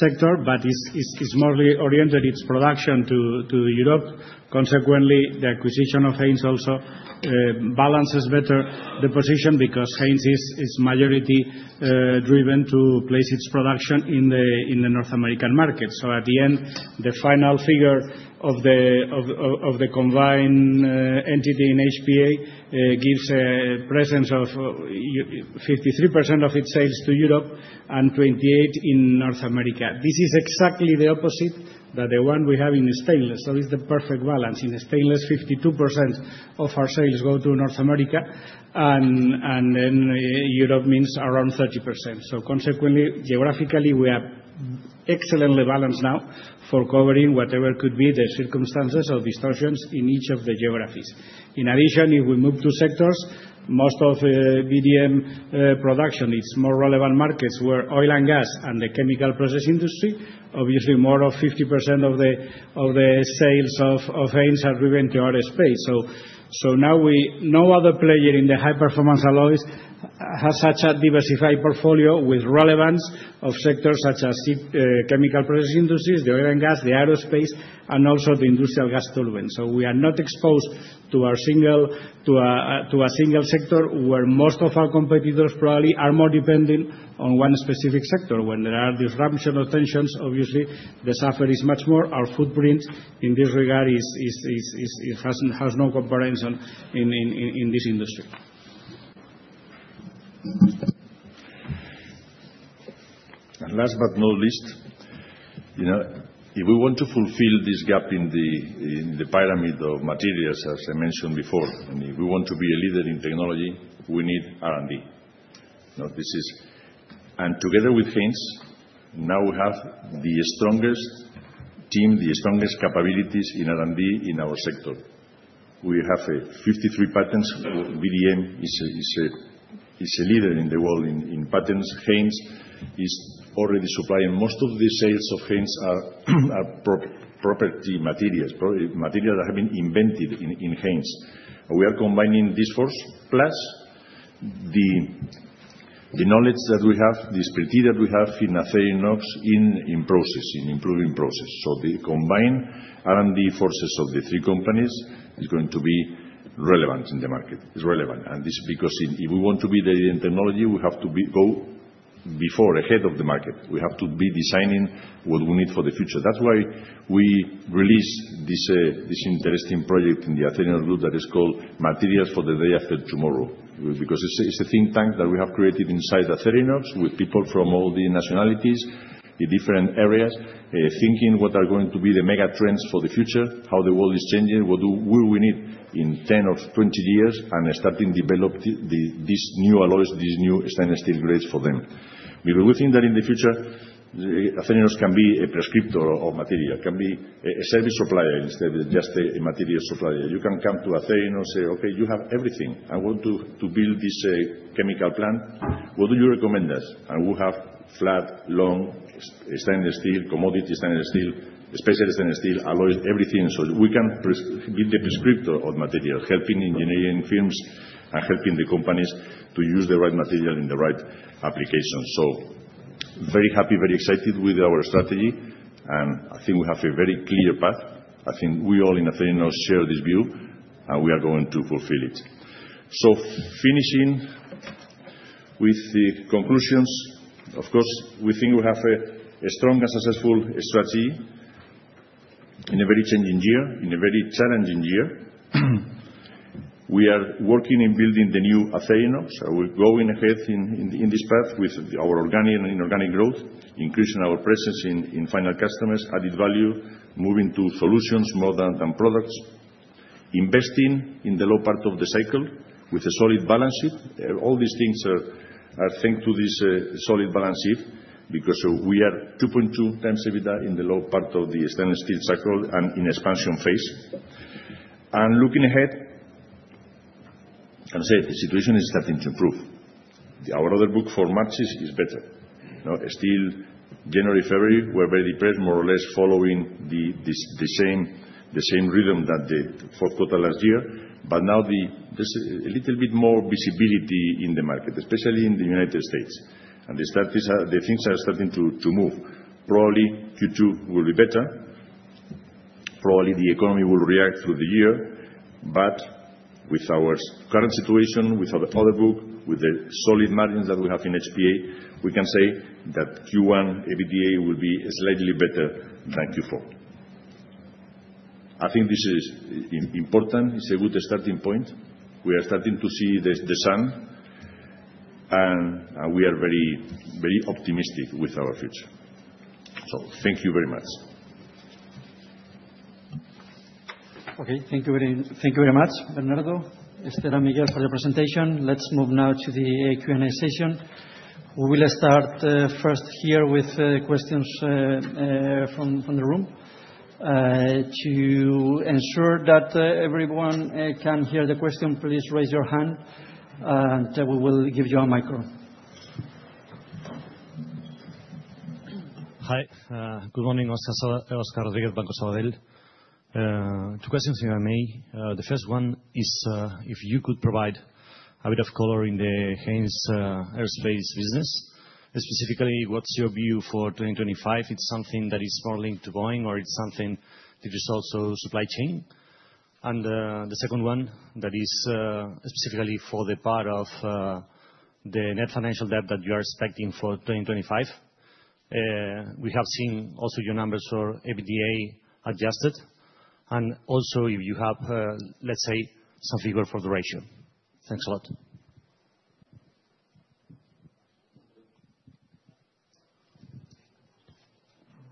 sector, but it's more oriented its production to Europe. Consequently, the acquisition of Haynes also balances better the position because Haynes is majority-driven to place its production in the North American market. So at the end, the final figure of the combined entity in HPA gives a presence of 53% of its sales to Europe and 28% in North America. This is exactly the opposite that the one we have in stainless. So it's the perfect balance. In stainless, 52% of our sales go to North America. And then Europe means around 30%. So consequently, geographically, we are excellently balanced now for covering whatever could be the circumstances or distortions in each of the geographies. In addition, if we move to sectors, most of VDM production, it's more relevant markets where oil and gas and the chemical process industry, obviously, more of 50% of the sales of Haynes are driven to aerospace. So now no other player in the High-Performance Alloys has such a diversified portfolio with relevance of sectors such as chemical process industries, the oil and gas, the aerospace, and also the industrial gas turbines. So we are not exposed to a single sector where most of our competitors probably are more dependent on one specific sector. When there are disruption of tensions, obviously, the suffer is much more. Our footprint in this regard has no comparison in this industry. Last but not least, if we want to fulfill this gap in the pyramid of materials, as I mentioned before, and if we want to be a leader in technology, we need R&D. Together with Haynes, now we have the strongest team, the strongest capabilities in R&D in our sector. We have 53 patents. VDM is a leader in the world in patents. Haynes is already supplying. Most of the sales of Haynes are proprietary materials, materials that have been invented in Haynes. We are combining these forces plus the knowledge that we have, the expertise that we have in Acerinox in improving process. The combined R&D forces of the three companies is going to be relevant in the market. It's relevant. This is because if we want to be there in technology, we have to go before, ahead of the market. We have to be designing what we need for the future. That's why we released this interesting project in the Acerinox Group that is called Materials for the Day After Tomorrow because it's a think tank that we have created inside Acerinox with people from all the nationalities, different areas, thinking what are going to be the mega trends for the future, how the world is changing, what will we need in 10 or 20 years, and starting to develop these new alloys, these new stainless steel grades for them. Because we think that in the future, Acerinox can be a prescriptor of material, can be a service supplier instead of just a material supplier. You can come to Acerinox and say, "Okay, you have everything. I want to build this chemical plant. What do you recommend as?" And we have flat, long, stainless steel, commodity stainless steel, special stainless steel, alloys, everything. So we can be the prescriptor of material, helping engineering firms and helping the companies to use the right material in the right application. So very happy, very excited with our strategy. And I think we have a very clear path. I think we all in Acerinox share this view, and we are going to fulfill it. So finishing with the conclusions, of course, we think we have a strong and successful strategy in a very changing year, in a very challenging year. We are working in building the new Acerinox. We're going ahead in this path with our organic and inorganic growth, increasing our presence in final customers, added value, moving to solutions more than products, investing in the low part of the cycle with a solid balance sheet. All these things are thanks to this solid balance sheet because we are 2.2 times EBITDA in the low part of the stainless steel cycle and in expansion phase, and looking ahead, as I said, the situation is starting to improve. Our order book for March is better. Still, January, February, we're very depressed, more or less following the same rhythm that the fourth quarter last year, but now there's a little bit more visibility in the market, especially in the United States, and the things are starting to move. Probably Q2 will be better. Probably the economy will react through the year, but with our current situation, with our order book, with the solid margins that we have in HPA, we can say that Q1 EBITDA will be slightly better than Q4. I think this is important. It's a good starting point. We are starting to see the sun, and we are very optimistic with our future, so thank you very much. Okay. Thank you very much, Bernardo, Esther, and Miguel for the presentation. Let's move now to the Q&A session. We will start first here with questions from the room. To ensure that everyone can hear the question, please raise your hand, and we will give you a micro. Hi. Good morning, Oscar Rodríguez, Banco Sabadell. Two questions if I may. The first one is if you could provide a bit of color in the Haynes aerospace business, specifically what's your view for 2025? It's something that is more linked to Boeing, or it's something that is also supply chain. And the second one that is specifically for the part of the net financial debt that you are expecting for 2025. We have seen also your numbers for EBITDA adjusted. And also, if you have, let's say, some figure for the ratio. Thanks a lot.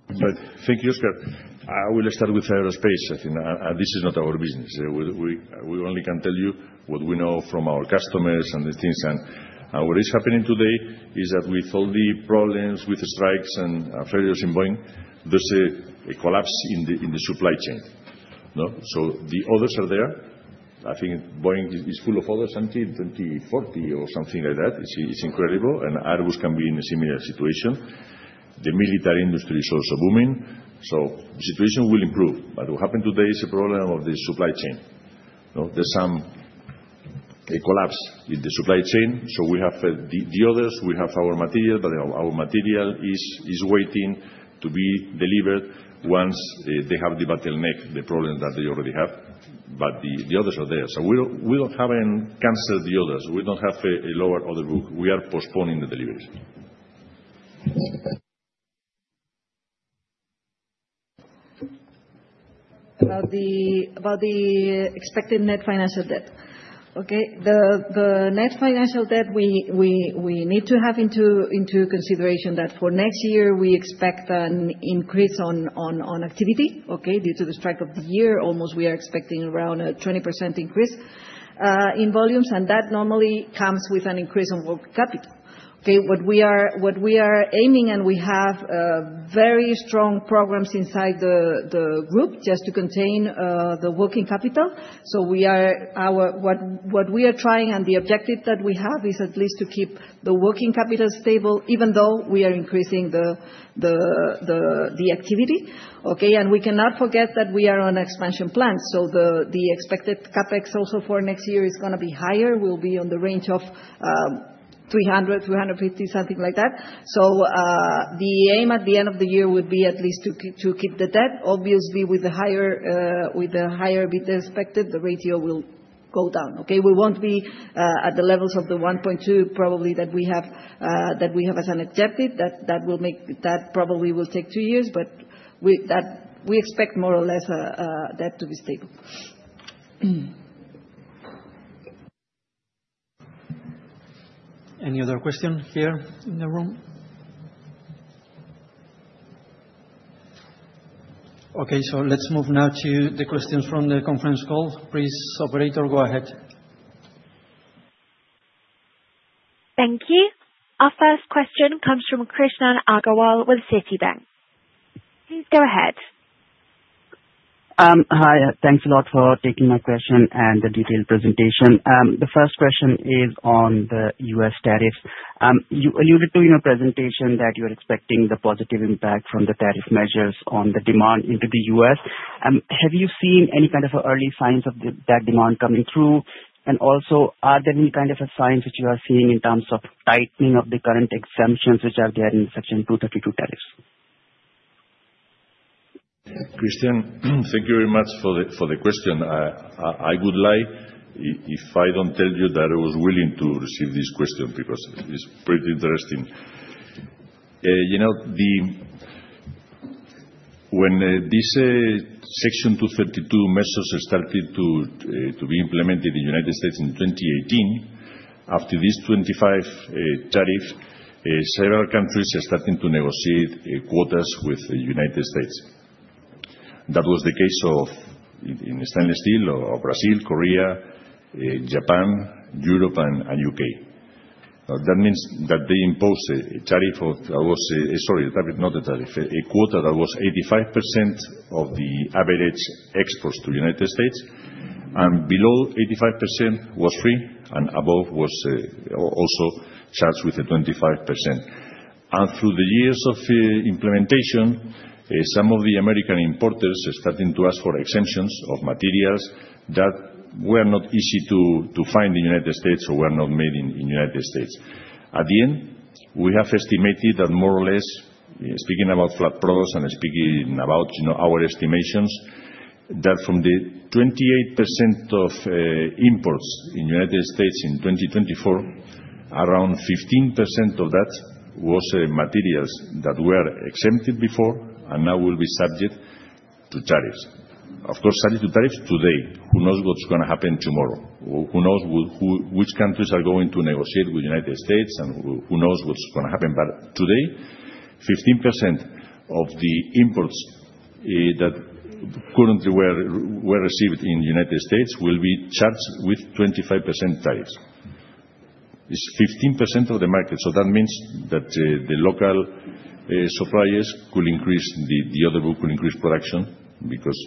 Thank you, Oscar. I will start with aerospace, I think. And this is not our business. We only can tell you what we know from our customers and the things. And what is happening today is that with all the problems with strikes and failures in Boeing, there's a collapse in the supply chain. So the orders are there. I think Boeing is full of orders, 20, 40, or something like that. It's incredible. And Airbus can be in a similar situation. The military industry is also booming. So the situation will improve. But what happened today is a problem of the supply chain. There's some collapse in the supply chain. So we have the orders. We have our material, but our material is waiting to be delivered once they have the bottleneck, the problem that they already have. But the orders are there. So we don't have any cancellations. The others. We don't have a lower order book. We are postponing the deliveries. About the expected net financial debt. Okay. The net financial debt, we need to have into consideration that for next year, we expect an increase on activity. Okay. Due to the strike of the year, almost we are expecting around a 20% increase in volumes. And that normally comes with an increase in working capital. Okay. What we are aiming, and we have very strong programs inside the group just to contain the working capital. So what we are trying and the objective that we have is at least to keep the working capital stable, even though we are increasing the activity. Okay. And we cannot forget that we are on an expansion plan. So the expected CapEx also for next year is going to be higher. We'll be on the range of 300-350, something like that. So the aim at the end of the year would be at least to keep the debt. Obviously, with the higher EBITDA expected, the ratio will go down. Okay. We won't be at the levels of the 1.2 probably that we have as an objective. That probably will take two years, but we expect more or less that to be stable. Any other question here in the room? Okay. So let's move now to the questions from the conference call. Please, operator, go ahead. Thank you. Our first question comes from Krishan Agarwal with Citibank. Please go ahead. Hi. Thanks a lot for taking my question and the detailed presentation. The first question is on the U.S. tariffs. You alluded to in your presentation that you are expecting the positive impact from the tariff measures on the demand into the U.S. Have you seen any kind of early signs of that demand coming through? And also, are there any kind of signs that you are seeing in terms of tightening of the current exemptions which are there in Section 232 tariffs? Krishan, thank you very much for the question. I would lie, if I don't tell you, that I was willing to receive this question because it's pretty interesting. When this Section 232 measures started to be implemented in the United States in 2018, after these 25 tariffs, several countries are starting to negotiate quotas with the United States. That was the case in stainless steel of Brazil, Korea, Japan, Europe, and the U.K. That means that they imposed a tariff of, sorry, not a tariff, a quota that was 85% of the average exports to the United States. And below 85% was free, and above was also charged with a 25%. And through the years of implementation, some of the American importers are starting to ask for exemptions of materials that were not easy to find in the United States or were not made in the United States. At the end, we have estimated that more or less, speaking about flat products and speaking about our estimations, that from the 28% of imports in the United States in 2024, around 15% of that was materials that were exempted before and now will be subject to tariffs. Of course, subject to tariffs today. Who knows what's going to happen tomorrow? Who knows which countries are going to negotiate with the United States, and who knows what's going to happen? But today, 15% of the imports that currently were received in the United States will be charged with 25% tariffs. It's 15% of the market. So that means that the local suppliers could increase, the other group could increase production because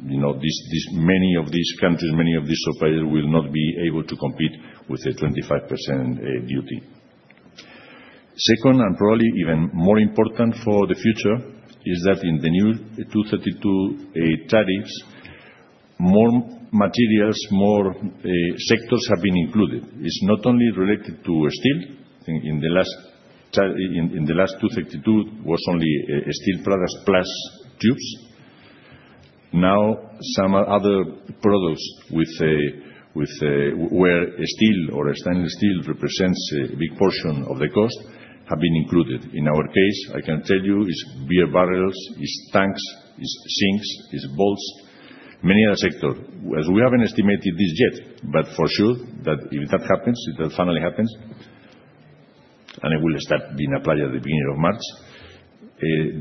many of these countries, many of these suppliers will not be able to compete with a 25% duty. Second, and probably even more important for the future, is that in the new 232 tariffs, more materials, more sectors have been included. It's not only related to steel. In the last 232, it was only steel plus tubes. Now, some other products where steel or stainless steel represents a big portion of the cost have been included. In our case, I can tell you, it's beer barrels, it's tanks, it's sinks, it's bolts, many other sectors. As we haven't estimated this yet, but for sure that if that happens, if that finally happens, and it will start being applied at the beginning of March,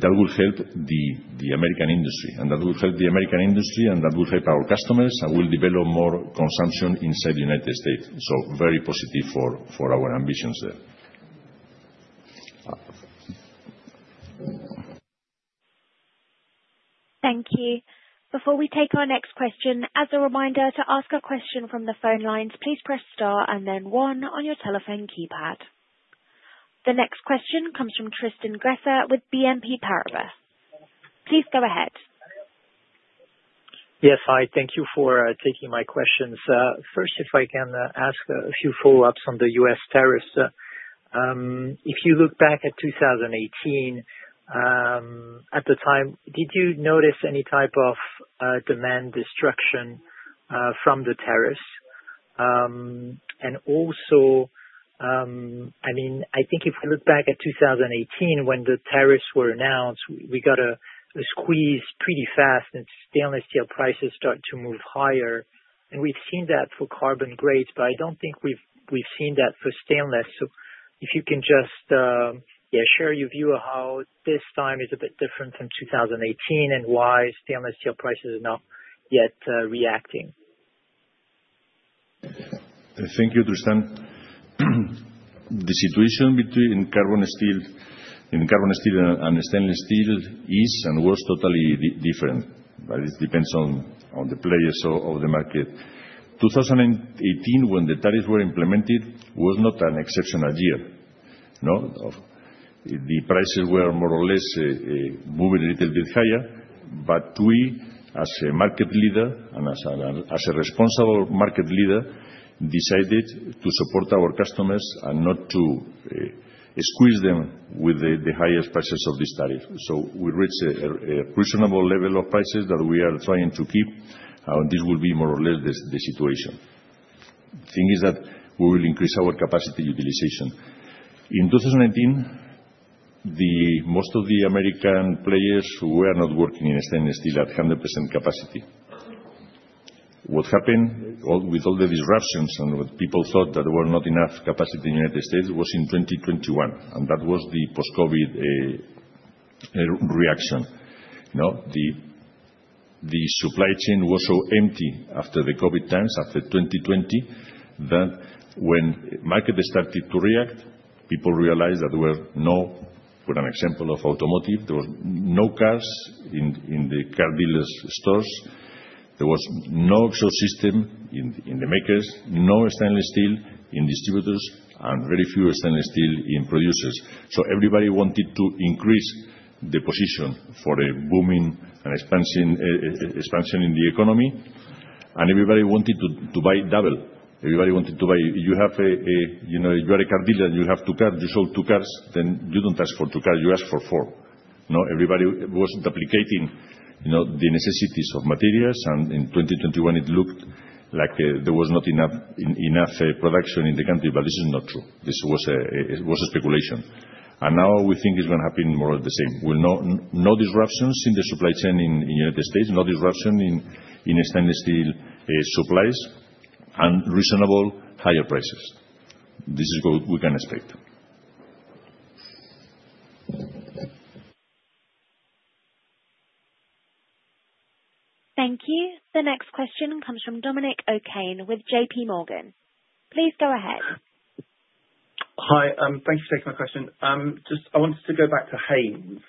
that will help the American industry. And that will help the American industry, and that will help our customers, and will develop more consumption inside the United States. So very positive for our ambitions there. Thank you. Before we take our next question, as a reminder to ask a question from the phone lines, please press star and then one on your telephone keypad. The next question comes from Tristan Gresser with BNP Paribas. Please go ahead. Yes. Hi. Thank you for taking my questions. First, if I can ask a few follow-ups on the U.S. tariffs. If you look back at 2018, at the time, did you notice any type of demand destruction from the tariffs? And also, I mean, I think if we look back at 2018, when the tariffs were announced, we got a squeeze pretty fast, and stainless steel prices started to move higher. And we've seen that for carbon grades, but I don't think we've seen that for stainless. So if you can just, yeah, share your view of how this time is a bit different from 2018 and why stainless steel prices are not yet reacting. I think you understand the situation between carbon steel and stainless steel is and was totally different. But it depends on the players of the market. 2018, when the tariffs were implemented, was not an exceptional year. The prices were more or less moving a little bit higher. But we, as a market leader and as a responsible market leader, decided to support our customers and not to squeeze them with the highest prices of these tariffs. So we reached a reasonable level of prices that we are trying to keep. And this will be more or less the situation. The thing is that we will increase our capacity utilization. In 2019, most of the American players were not working in stainless steel at 100% capacity. What happened with all the disruptions and what people thought that there was not enough capacity in the United States was in 2021. That was the post-COVID reaction. The supply chain was so empty after the COVID times, after 2020, that when the market started to react, people realized that there were no, for an example of automotive, there were no cars in the car dealers' stores. There was no exhaust system in the makers, no stainless steel in distributors, and very few stainless steel in producers. Everybody wanted to increase the position for a booming and expansion in the economy. Everybody wanted to buy double. Everybody wanted to buy. You are a car dealer, and you have two cars. You sold two cars, then you don't ask for two cars. You ask for four. Everybody was duplicating the necessities of materials. In 2021, it looked like there was not enough production in the country, but this is not true. This was speculation. And now we think it's going to happen more of the same. We'll know no disruptions in the supply chain in the United States, no disruption in stainless steel supplies, and reasonable higher prices. This is what we can expect. Thank you. The next question comes from Dominic O'Kane with J.P. Morgan. Please go ahead. Hi. Thank you for taking my question. I wanted to go back to Haynes,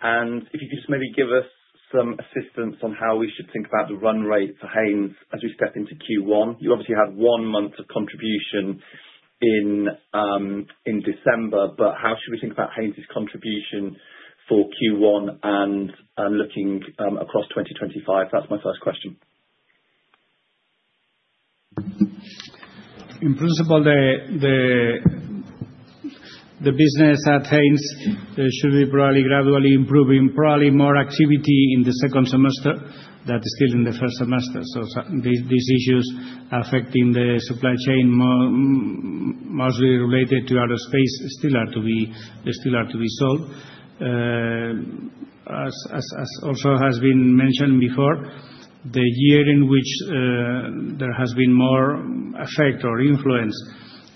and if you could just maybe give us some assistance on how we should think about the run rate for Haynes as we step into Q1. You obviously had one month of contribution in December, but how should we think about Haynes's contribution for Q1 and looking across 2025? That's my first question. In principle, the business at Haynes should be probably gradually improving, probably more activity in the second semester than still in the first semester. So these issues affecting the supply chain mostly related to aerospace still are to be solved. As also has been mentioned before, the year in which there has been more effect or influence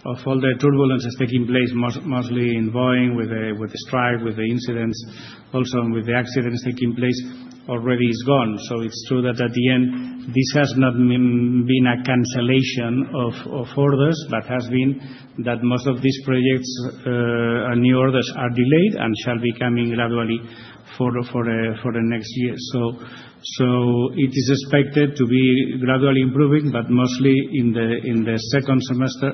of all the turbulence that's taking place, mostly in Boeing with the strike, with the incidents, also with the accidents taking place, already is gone. So it's true that at the end, this has not been a cancellation of orders, but has been that most of these projects and new orders are delayed and shall be coming gradually for the next year. So it is expected to be gradually improving, but mostly in the second semester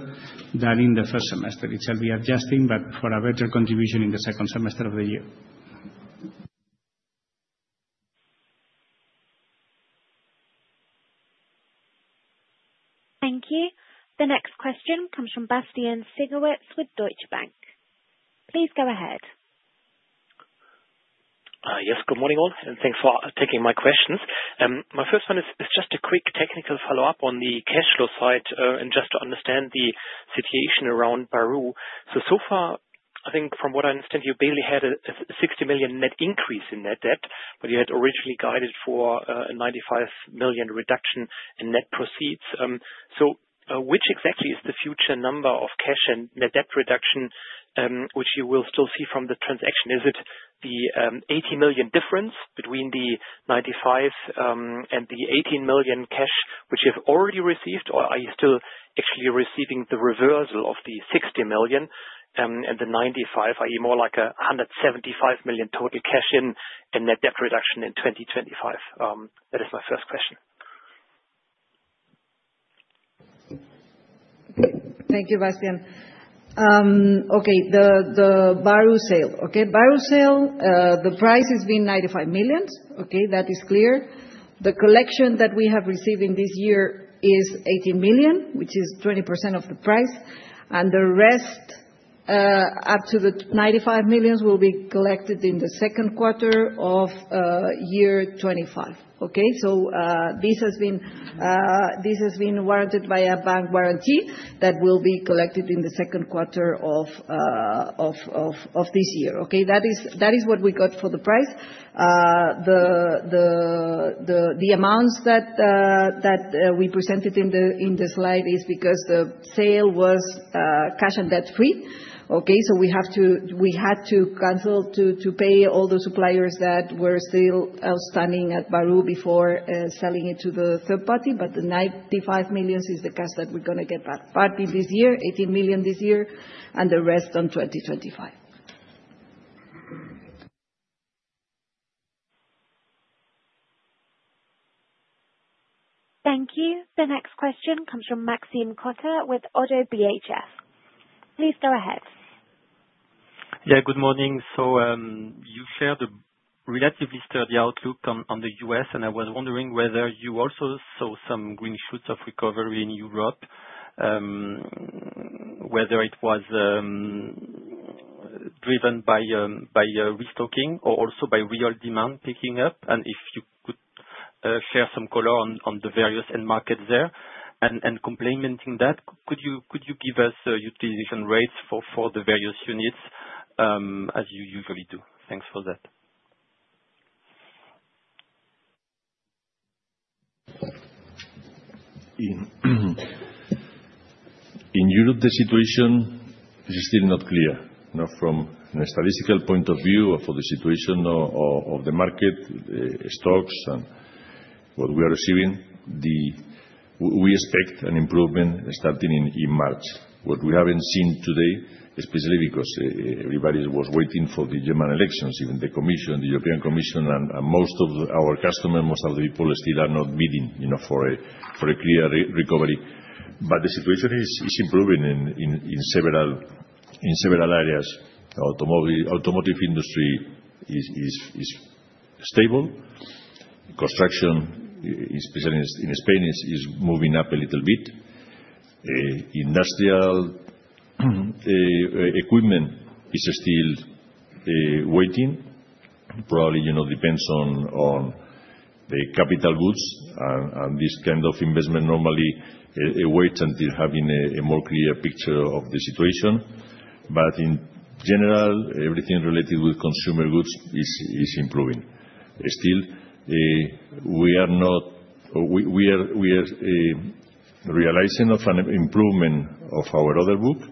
than in the first semester. It shall be adjusting, but for a better contribution in the second semester of the year. Thank you. The next question comes from Bastian Synagowitz with Deutsche Bank. Please go ahead. Yes. Good morning, all. And thanks for taking my questions. My first one is just a quick technical follow-up on the cash flow side and just to understand the situation around Bahru. So, so far, I think from what I understand, you barely had a $60 million net increase in net debt, but you had originally guided for a $95 million reduction in net proceeds. So which exactly is the future number of cash and net debt reduction which you will still see from the transaction? Is it the $80 million difference between the 95 and the 18 million cash which you have already received, or are you still actually receiving the reversal of the $60 million and the 95, i.e., more like a $175 million total cash in and net debt reduction in 2025? That is my first question. Thank you, Bastian. The Bahru sale, the price has been $95 million. That is clear. The collection that we have received this year is $18 million, which is 20% of the price. And the rest up to the $95 million will be collected in the second quarter of 2025. So this has been warranted by a bank guarantee that will be collected in the second quarter of this year. That is what we got for the price. The amounts that we presented in the slide is because the sale was cash and debt free. So we had to settle to pay all the suppliers that were still outstanding at Bahru before selling it to the third party. But the $95 million is the cash that we're going to get back. Partly this year, $18 million this year, and the rest in 2025. Thank you. The next question comes from Maxime Kogge with Oddo BHF. Please go ahead. Yeah. Good morning. So you shared a relatively sturdy outlook on the U.S., and I was wondering whether you also saw some green shoots of recovery in Europe, whether it was driven by restocking or also by real demand picking up. And if you could share some color on the various end markets there? And complementing that, could you give us utilization rates for the various units as you usually do? Thanks for that. In Europe, the situation is still not clear. From a statistical point of view, for the situation of the market, the stocks, and what we are receiving, we expect an improvement starting in March. What we haven't seen today, especially because everybody was waiting for the German elections, even the European Commission, and most of our customers, most of the people still are not bidding for a clear recovery. But the situation is improving in several areas. The automotive industry is stable. Construction, especially in Spain, is moving up a little bit. Industrial equipment is still waiting. Probably depends on the capital goods. And this kind of investment normally waits until having a more clear picture of the situation. But in general, everything related with consumer goods is improving. Still, we are not realizing of an improvement of our order book.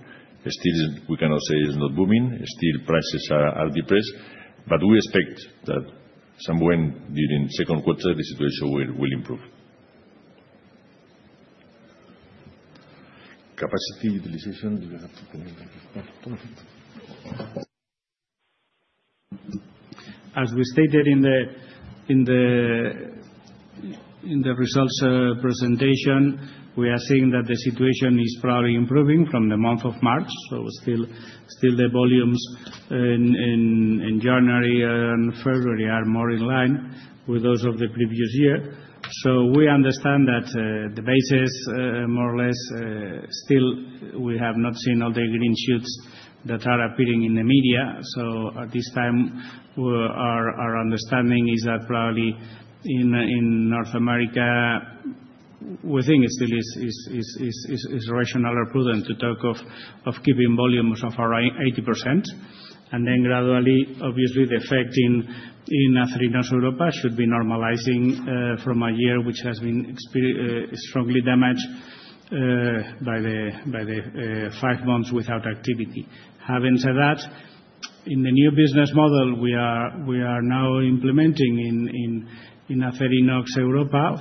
Still, we cannot say it's not booming. Still, prices are depressed. But we expect that somewhere during the second quarter, the situation will improve. Capacity utilization, you have to commit. As we stated in the results presentation, we are seeing that the situation is probably improving from the month of March, so still, the volumes in January and February are more in line with those of the previous year, so we understand that the basis more or less still we have not seen all the green shoots that are appearing in the media, so at this time, our understanding is that probably in North America, we think it still is rational or prudent to talk of keeping volumes of around 80%, and then gradually, obviously, the effect in our North Europe should be normalizing from a year which has been strongly damaged by the five months without activity. Having said that, in the new business model we are now implementing in Acerinox Europa,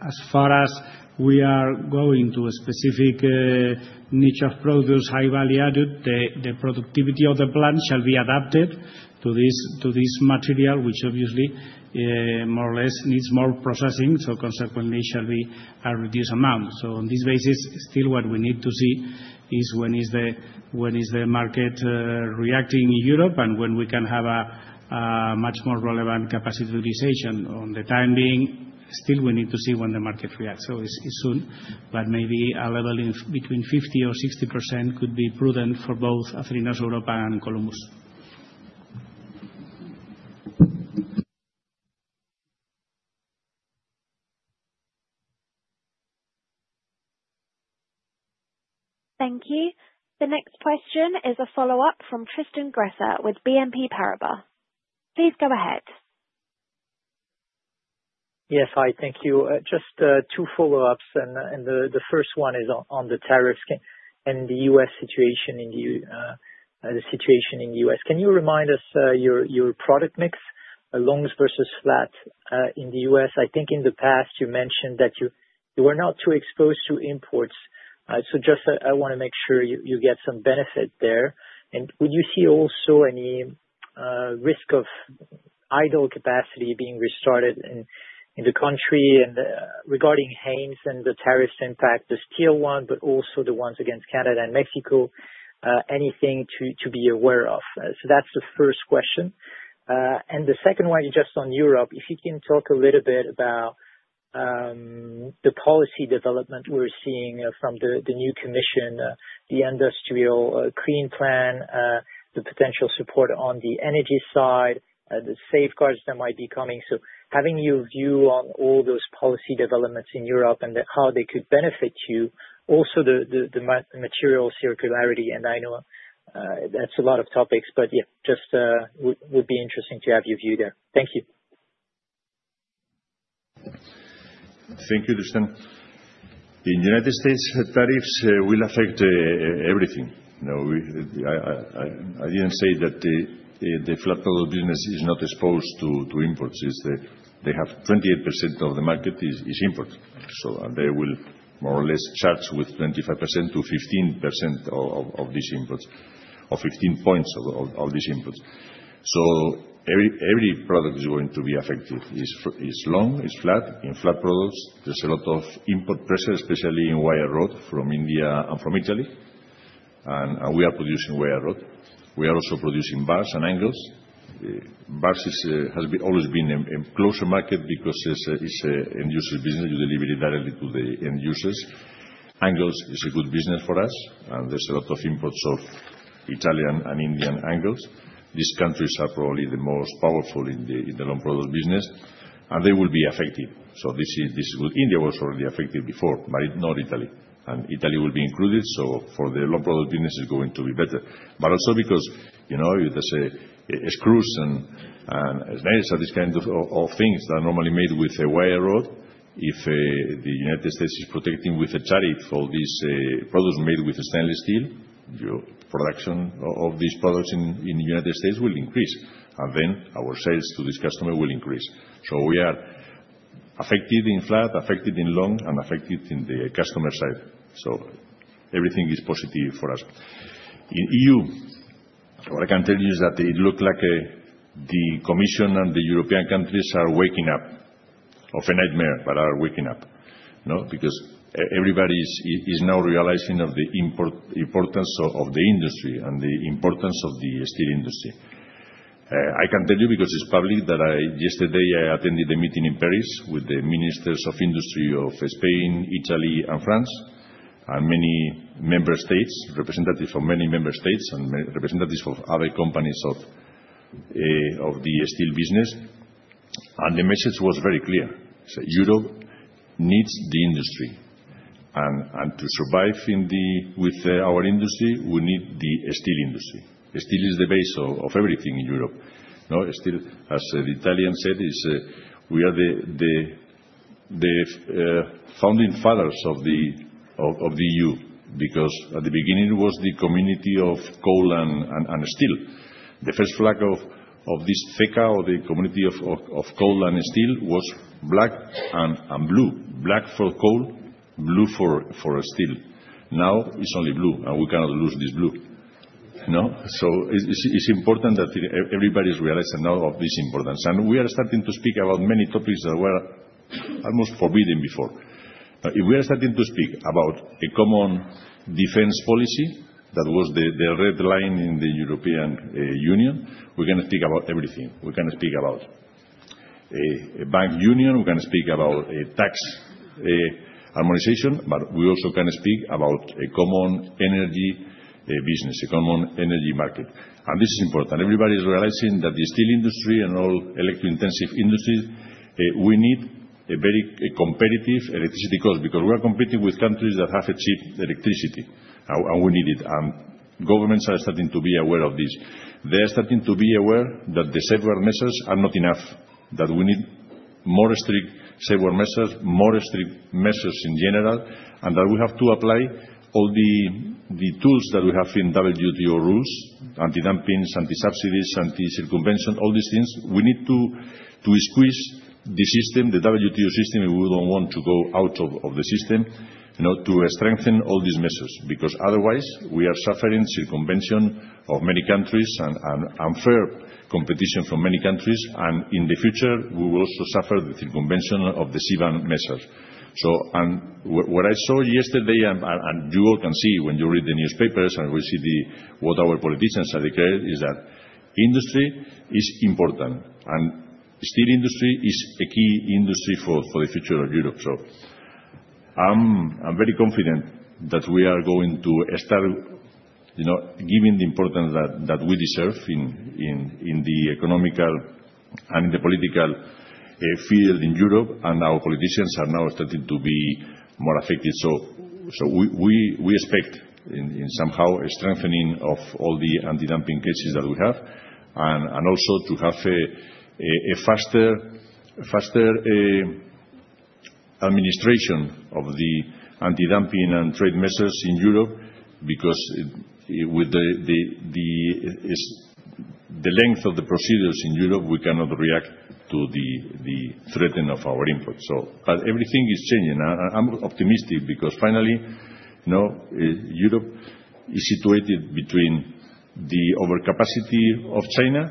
as far as we are going to a specific niche of products, high-value added, the productivity of the plant shall be adapted to this material, which obviously more or less needs more processing. So consequently, it shall be a reduced amount. So on this basis, still what we need to see is when is the market reacting in Europe and when we can have a much more relevant capacity utilization. In the meantime, still we need to see when the market reacts. So it's soon, but maybe a level between 50% or 60% could be prudent for both Acerinox Europa and Columbus Stainless. Thank you. The next question is a follow-up from Tristan Gresser with BNP Paribas. Please go ahead. Yes. Hi. Thank you. Just two follow-ups. And the first one is on the tariffs and the U.S. situation in the U.S.. Can you remind us your product mix, longs versus flat, in the U.S.? I think in the past, you mentioned that you were not too exposed to imports. So just I want to make sure you get some benefit there. And would you see also any risk of idle capacity being restarted in the country regarding Haynes and the tariffs impact, the steel one, but also the ones against Canada and Mexico? Anything to be aware of? So that's the first question. And the second one, just on Europe, if you can talk a little bit about the policy development we're seeing from the new commission, the Industrial Clean Plan, the potential support on the energy side, the safeguards that might be coming. So, having your view on all those policy developments in Europe and how they could benefit you, also the material circularity. And I know that's a lot of topics, but yeah, just would be interesting to have your view there. Thank you. Thank you, Tristan. In the United States, tariffs will affect everything. I didn't say that the flat total business is not exposed to imports. They have 28% of the market is import. So they will more or less charge with 25%-15% of these inputs, or 15 points of these inputs. So every product is going to be affected. It's long, it's flat. In flat products, there's a lot of import pressure, especially in wire rod from India and from Italy. And we are producing wire rod. We are also producing bars and angles. Bars has always been a closer market because it's an end-user business. You deliver it directly to the end-users. Angles is a good business for us. And there's a lot of imports of Italian and Indian angles. These countries are probably the most powerful in the long product business, and they will be affected. So this is good. India was already affected before, but not Italy. And Italy will be included. So for the long product business, it's going to be better. But also because there's screws and nails, these kinds of things that are normally made with a wire rod. If the United States is protecting with a tariff for these products made with stainless steel, your production of these products in the United States will increase. And then our sales to these customers will increase. So we are affected in flat, affected in long, and affected in the customer side. So everything is positive for us. In EU, what I can tell you is that it looks like the Commission and the European countries are waking up from a nightmare, but are waking up. Because everybody is now realizing the importance of the industry and the importance of the steel industry. I can tell you because it's public that yesterday, I attended the meeting in Paris with the ministers of industry of Spain, Italy, and France, and many member states, representatives from many member states, and representatives of other companies of the steel business, and the message was very clear. Europe needs the industry, and to survive with our industry, we need the steel industry. Steel is the base of everything in Europe. As the Italian said, we are the founding fathers of the EU because at the beginning, it was the Community of Coal and Steel. The first flag of this ECSC, or the Community of Coal and Steel, was black and blue. Black for coal, blue for steel. Now, it's only blue, and we cannot lose this blue. So it's important that everybody is realizing now of this importance. We are starting to speak about many topics that were almost forbidden before. We are starting to speak about a common defense policy that was the red line in the European Union. We're going to speak about everything. We're going to speak about a bank union. We're going to speak about tax harmonization, but we also can speak about a common energy business, a common energy market. And this is important. Everybody is realizing that the steel industry and all electro-intensive industries, we need a very competitive electricity cost because we are competing with countries that have cheap electricity, and we need it. And governments are starting to be aware of this. They are starting to be aware that the safeguard measures are not enough, that we need more strict safeguard measures, more strict measures in general, and that we have to apply all the tools that we have in WTO rules, anti-dumping, anti-subsidy, anti-circumvention, all these things. We need to squeeze the system, the WTO system. We don't want to go out of the system to strengthen all these measures because otherwise, we are suffering circumvention of many countries and unfair competition from many countries. And in the future, we will also suffer the circumvention of the CBAM measures. And what I saw yesterday, and you all can see when you read the newspapers and we see what our politicians have declared, is that industry is important. And steel industry is a key industry for the future of Europe. I am very confident that we are going to start giving the importance that we deserve in the economic and in the political field in Europe. Our politicians are now starting to be more affected. We expect somehow a strengthening of all the anti-dumping cases that we have and also to have a faster administration of the anti-dumping and trade measures in Europe because with the length of the procedures in Europe, we cannot react to the threat from our imports. Everything is changing. I am optimistic because finally, Europe is situated between the overcapacity of China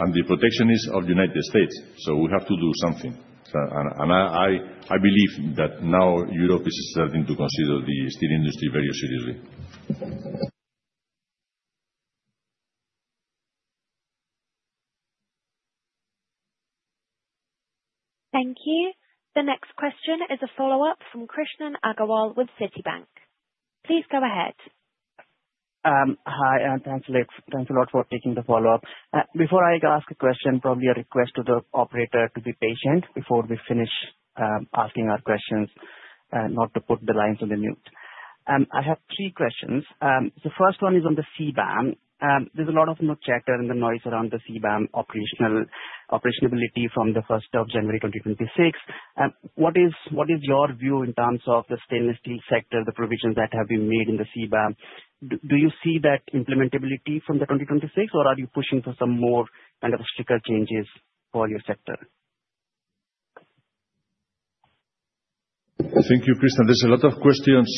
and the protectionism of the United States. We have to do something. I believe that now Europe is starting to consider the steel industry very seriously. Thank you. The next question is a follow-up from Krishan Agarwal with Citibank. Please go ahead. Hi. And thanks a lot for taking the follow-up. Before I ask a question, probably a request to the operator to be patient before we finish asking our questions, not to put the lines on mute. I have three questions. The first one is on the CBAM. There's a lot of noise and chatter around the CBAM operability from the 1st of January 2026. What is your view in terms of the stainless steel sector, the provisions that have been made in the CBAM? Do you see that implementability from 2026, or are you pushing for some more kind of stricter changes for your sector? Thank you, Krishan. There's a lot of questions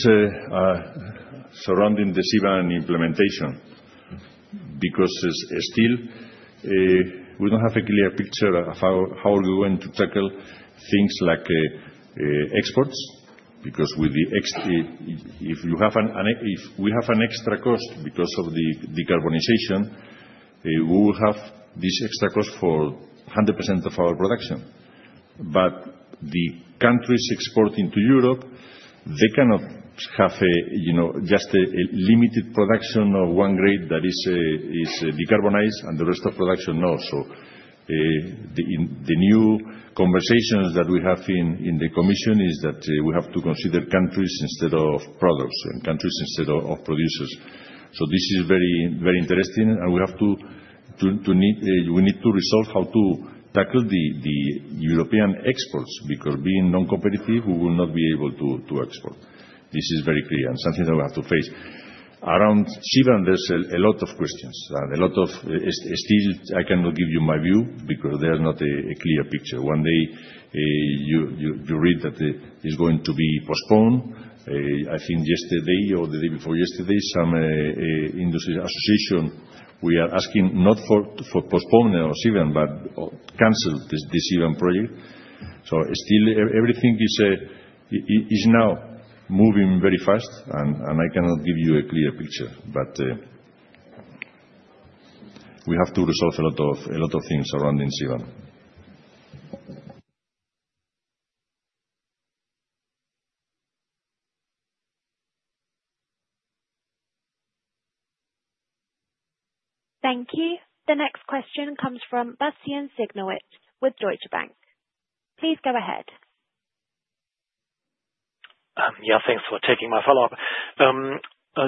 surrounding the CBAM implementation because still, we don't have a clear picture of how we're going to tackle things like exports because if we have an extra cost because of the decarbonization, we will have this extra cost for 100% of our production. But the countries exporting to Europe, they cannot have just a limited production of one grade that is decarbonized and the rest of production no. So the new conversations that we have in the commission is that we have to consider countries instead of products and countries instead of producers. So this is very interesting. And we need to resolve how to tackle the European exports because being non-competitive, we will not be able to export. This is very clear and something that we have to face. Around CBAM, there's a lot of questions and a lot of still. I cannot give you my view because there's not a clear picture. One day, you read that it's going to be postponed. I think yesterday or the day before yesterday, some industry association, we are asking not for postponement of CBAM, but cancel this CBAM project. So still, everything is now moving very fast, and I cannot give you a clear picture. But we have to resolve a lot of things around CBAM. Thank you. The next question comes from Bastian Synagowitz with Deutsche Bank. Please go ahead. Yeah. Thanks for taking my follow-up.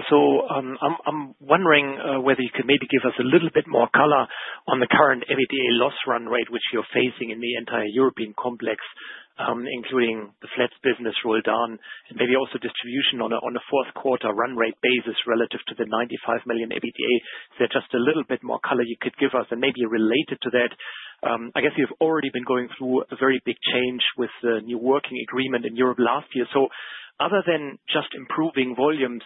So I'm wondering whether you could maybe give us a little bit more color on the current EBITDA loss run rate which you're facing in the entire European complex, including the flat business rolled down, and maybe also distribution on a fourth quarter run rate basis relative to the 95 million EBITDA. Is there just a little bit more color you could give us? And maybe related to that, I guess you've already been going through a very big change with the new working agreement in Europe last year. So other than just improving volumes,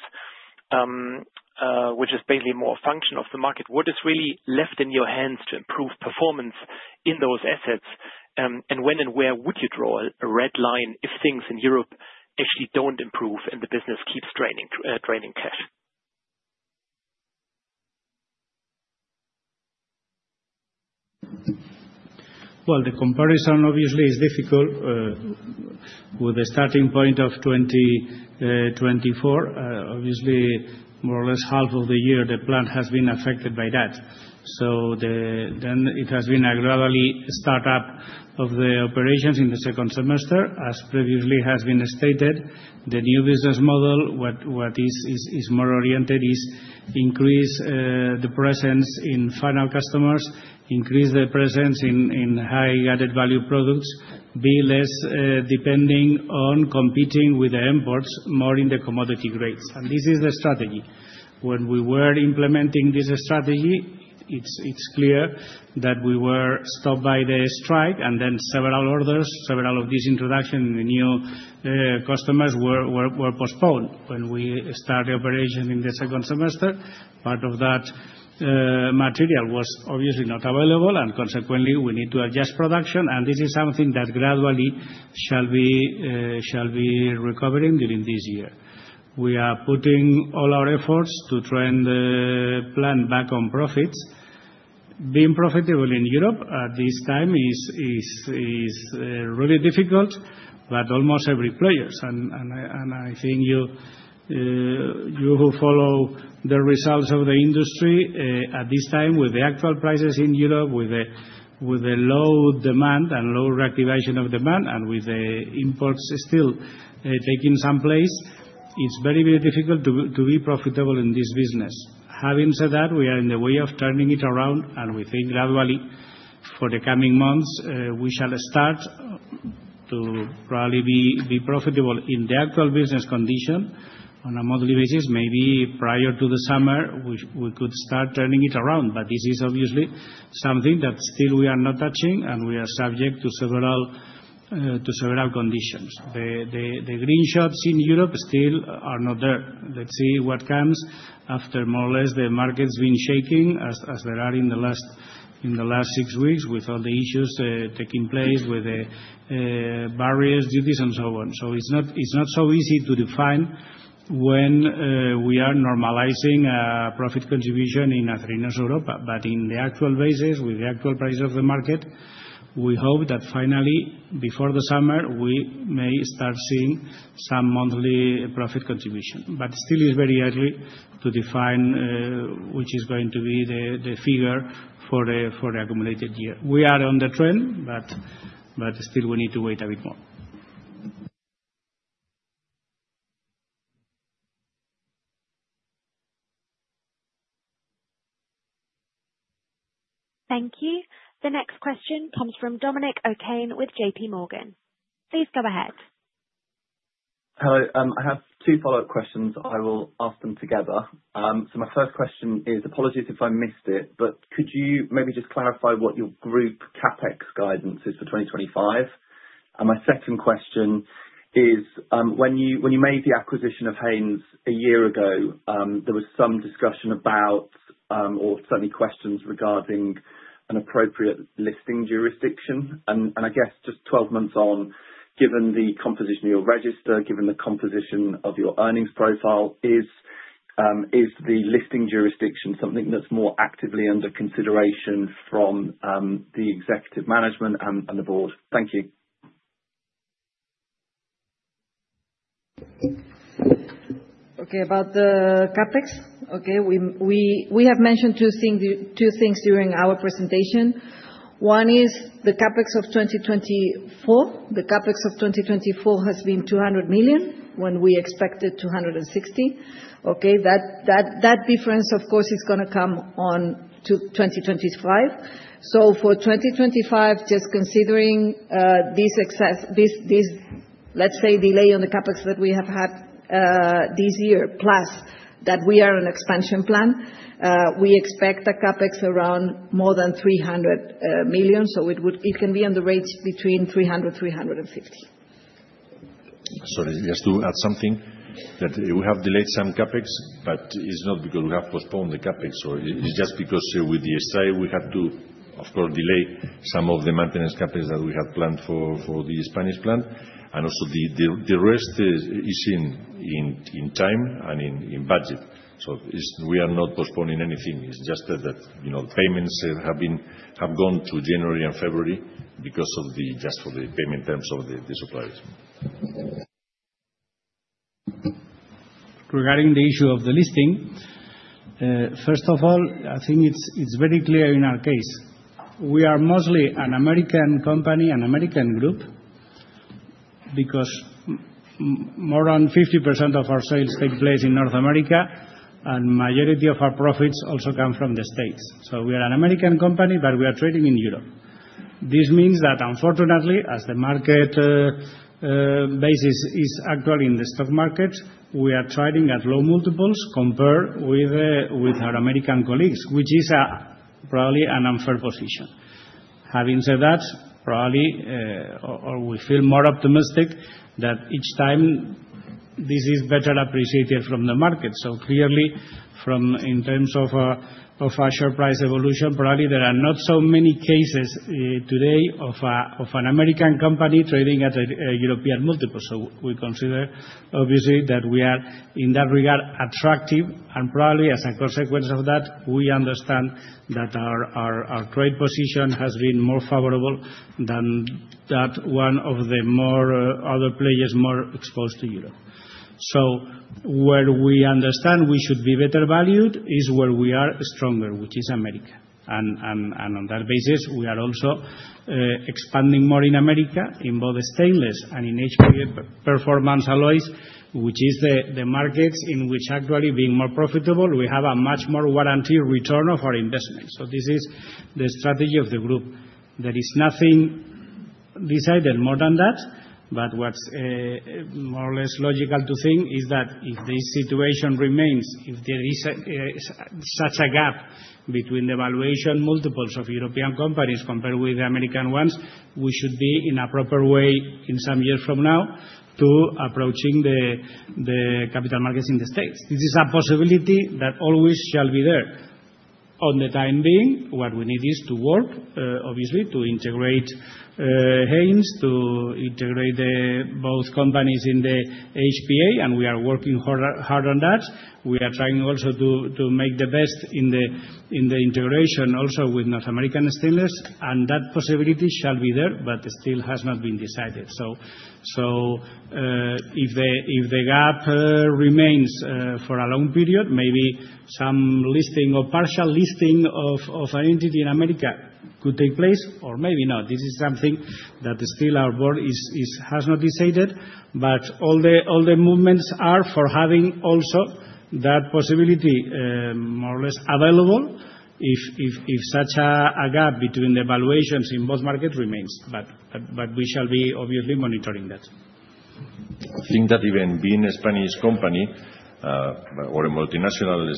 which is basically more a function of the market, what is really left in your hands to improve performance in those assets? And when and where would you draw a red line if things in Europe actually don't improve and the business keeps draining cash? The comparison obviously is difficult with the starting point of 2024. Obviously, more or less half of the year, the plant has been affected by that. It has been a gradually start-up of the operations in the second semester, as previously has been stated. The new business model, what is more oriented, is increase the presence in final customers, increase the presence in high-added value products, be less depending on competing with the imports, more in the commodity grades. This is the strategy. When we were implementing this strategy, it's clear that we were stopped by the strike, and then several orders, several of these introductions in the new customers were postponed. When we started operations in the second semester, part of that material was obviously not available, and consequently, we need to adjust production. This is something that gradually shall be recovering during this year. We are putting all our efforts to turn the plant back on profits. Being profitable in Europe at this time is really difficult, but almost every player. I think you who follow the results of the industry at this time with the actual prices in Europe, with the low demand and low reactivation of demand, and with the imports still taking some place, it's very, very difficult to be profitable in this business. Having said that, we are on the way of turning it around, and we think gradually for the coming months, we shall start to probably be profitable in the actual business condition on a monthly basis. Maybe prior to the summer, we could start turning it around. But this is obviously something that still we are not touching, and we are subject to several conditions. The green shoots in Europe still are not there. Let's see what comes after more or less the market's been shaking as they are in the last six weeks with all the issues taking place with the various duties and so on. So it's not so easy to define when we are normalizing profit contribution in Acerinox Europa. But in the actual basis, with the actual price of the market, we hope that finally, before the summer, we may start seeing some monthly profit contribution. But still, it's very early to define which is going to be the figure for the accumulated year. We are on the trend, but still, we need to wait a bit more. Thank you. The next question comes from Dominic O'Kane with J.P. Morgan. Please go ahead. Hello. I have two follow-up questions. I will ask them together. So my first question is, apologies if I missed it, but could you maybe just clarify what your group CapEx guidance is for 2025? And my second question is, when you made the acquisition of Haynes a year ago, there was some discussion about, or certainly questions regarding an appropriate listing jurisdiction. And I guess just 12 months on, given the composition of your register, given the composition of your earnings profile, is the listing jurisdiction something that's more actively under consideration from the executive management and the board? Thank you. Okay. About the CapEx, okay, we have mentioned two things during our presentation. One is the CapEx of 2024. The CapEx of 2024 has been 200 million when we expected 260 million. Okay. That difference, of course, is going to come on to 2025. So for 2025, just considering this, let's say, delay on the CapEx that we have had this year, plus that we are on an expansion plan, we expect a CapEx around more than 300 million. So it can be on the range between 300-350 million. Sorry, just to add something that we have delayed some CapEx, but it's not because we have postponed the CapEx, so it's just because with the SI, we have to, of course, delay some of the maintenance CapEx that we have planned for the Spanish plant, and also the rest is in time and in budget, so we are not postponing anything. It's just that the payments have gone to January and February just for the payment terms of the suppliers. Regarding the issue of the listing, first of all, I think it's very clear in our case. We are mostly an American company, an American group, because more than 50% of our sales take place in North America, and the majority of our profits also come from the States. So we are an American company, but we are trading in Europe. This means that, unfortunately, as the market basis is actually in the stock market, we are trading at low multiples compared with our American colleagues, which is probably an unfair position. Having said that, probably, or we feel more optimistic that each time this is better appreciated from the market. So clearly, in terms of our share price evolution, probably there are not so many cases today of an American company trading at a European multiple. So we consider, obviously, that we are in that regard attractive. And probably as a consequence of that, we understand that our trade position has been more favorable than that one of the other players more exposed to Europe, so where we understand we should be better valued is where we are stronger, which is America, and on that basis, we are also expanding more in America in both stainless and in HPA performance alloys, which is the markets in which actually being more profitable, we have a much more warranty return of our investment, so this is the strategy of the group. There is nothing decided more than that, but what's more or less logical to think is that if this situation remains, if there is such a gap between the valuation multiples of European companies compared with the American ones, we should be in a proper way in some years from now to approaching the capital markets in the States. This is a possibility that always shall be there. In the meantime, what we need is to work, obviously, to integrate Haynes, to integrate both companies in the HPA, and we are working hard on that. We are trying also to make the best in the integration also with North American Stainless, and that possibility shall be there, but still has not been decided, so if the gap remains for a long period, maybe some listing or partial listing of an entity in America could take place, or maybe not. This is something that still our board has not decided, but all the movements are for having also that possibility more or less available if such a gap between the valuations in both markets remains. But we shall be obviously monitoring that. I think that even being a Spanish company or a multinational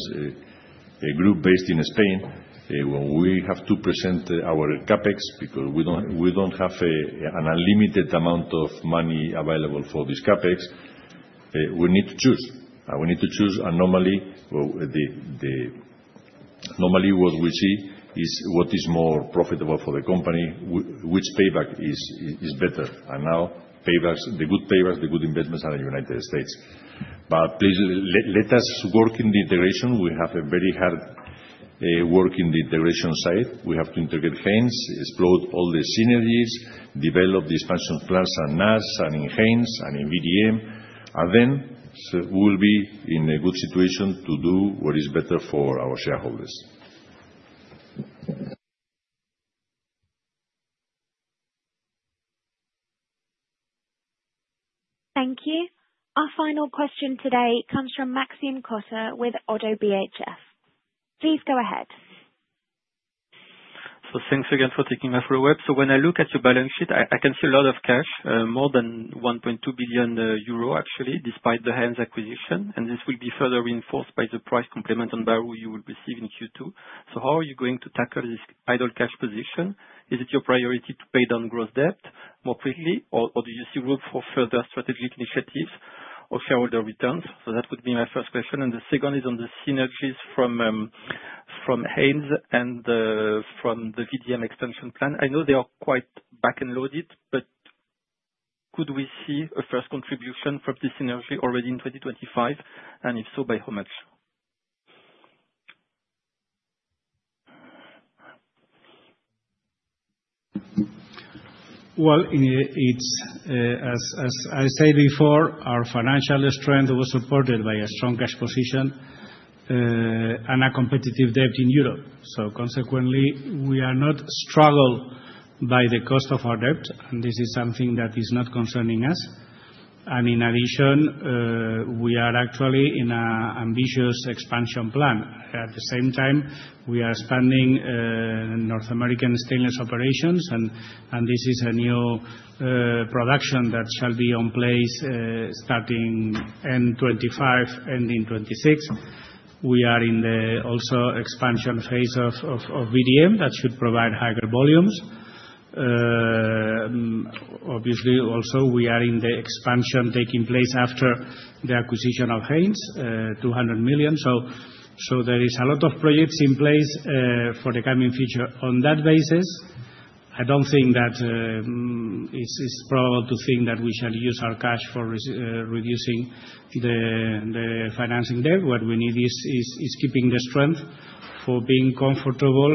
group based in Spain, when we have to present our CapEx because we don't have an unlimited amount of money available for this CapEx, we need to choose, and we need to choose normally. Normally, what we see is what is more profitable for the company, which payback is better, and now, the good payback, the good investments are in the United States, but please let us work in the integration. We have a very hard work in the integration side. We have to integrate Haynes, explode all the synergies, develop the expansion plans and NAS and in Haynes and in VDM, and then we will be in a good situation to do what is better for our shareholders. Thank you. Our final question today comes from Maxime Kogge with Oddo BHF. Please go ahead. Thanks again for taking us for a while. When I look at your balance sheet, I can see a lot of cash, more than 1.2 billion euro actually, despite the Haynes acquisition. And this will be further reinforced by the price complement on Bahru you will receive in Q2. How are you going to tackle this idle cash position? Is it your priority to pay down gross debt more quickly, or do you see room for further strategic initiatives or shareholder returns? That would be my first question. And the second is on the synergies from Haynes and from the VDM expansion plan. I know they are quite back-loaded, but could we see a first contribution from this synergy already in 2025? And if so, by how much? As I said before, our financial strength was supported by a strong cash position and a competitive debt in Europe, so consequently, we are not struggled by the cost of our debt, and this is something that is not concerning us, and in addition, we are actually in an ambitious expansion plan. At the same time, we are expanding North American Stainless operations, and this is a new production that shall be in place starting end 2025, ending 2026. We are also in the expansion phase of VDM that should provide higher volumes. Obviously, also we are in the expansion taking place after the acquisition of Haynes, 200 million, so there is a lot of projects in place for the coming future. On that basis, I don't think that it's probable to think that we shall use our cash for reducing the financing debt. What we need is keeping the strength for being comfortable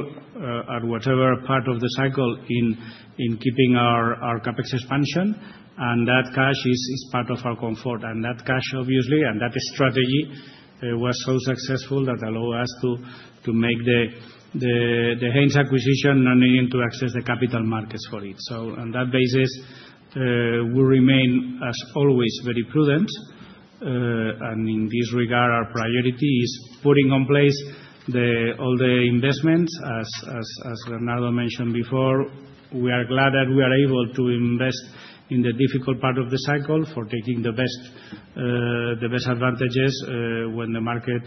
at whatever part of the cycle in keeping our CapEx expansion. And that cash is part of our comfort. And that cash, obviously, and that strategy was so successful that allowed us to make the Haynes acquisition, no needing to access the capital markets for it. So on that basis, we remain as always very prudent. And in this regard, our priority is putting in place all the investments. As Bernardo mentioned before, we are glad that we are able to invest in the difficult part of the cycle for taking the best advantages when the market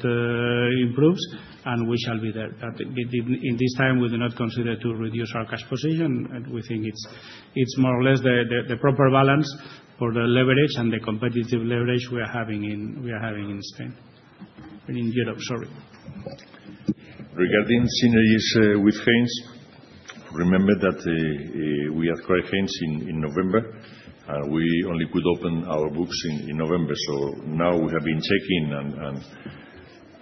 improves, and we shall be there. But in this time, we do not consider to reduce our cash position. We think it's more or less the proper balance for the leverage and the competitive leverage we are having in Spain. In Europe, sorry. Regarding synergies with Haynes, remember that we acquired Haynes in November, and we only could open our books in November. So now we have been checking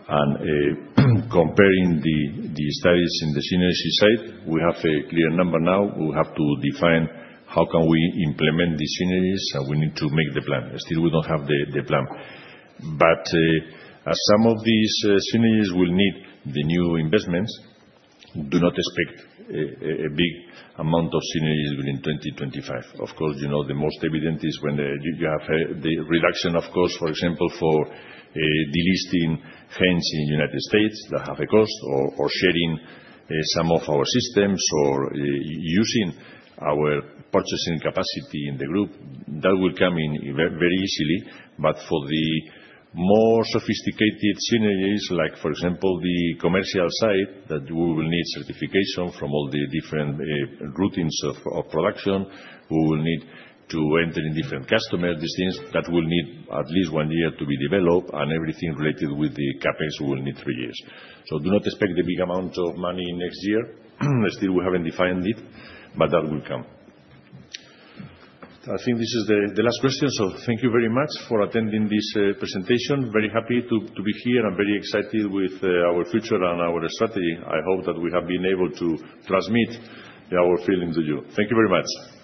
and comparing the studies in the synergy side. We have a clear number now. We have to define how can we implement these synergies, and we need to make the plan. Still, we don't have the plan. But as some of these synergies will need the new investments, do not expect a big amount of synergies within 2025. Of course, the most evident is when you have the reduction, of course, for example, for delisting Haynes in the United States that have a cost or sharing some of our systems or using our purchasing capacity in the group. That will come in very easily. But for the more sophisticated synergies, like for example, the commercial side, that we will need certification from all the different routes of production. We will need to enter in different customer listings that will need at least one year to be developed. And everything related with the CapEx will need three years. So do not expect the big amount of money next year. Still, we haven't defined it, but that will come. I think this is the last question. So thank you very much for attending this presentation. Very happy to be here and very excited with our future and our strategy. I hope that we have been able to transmit our feeling to you. Thank you very much.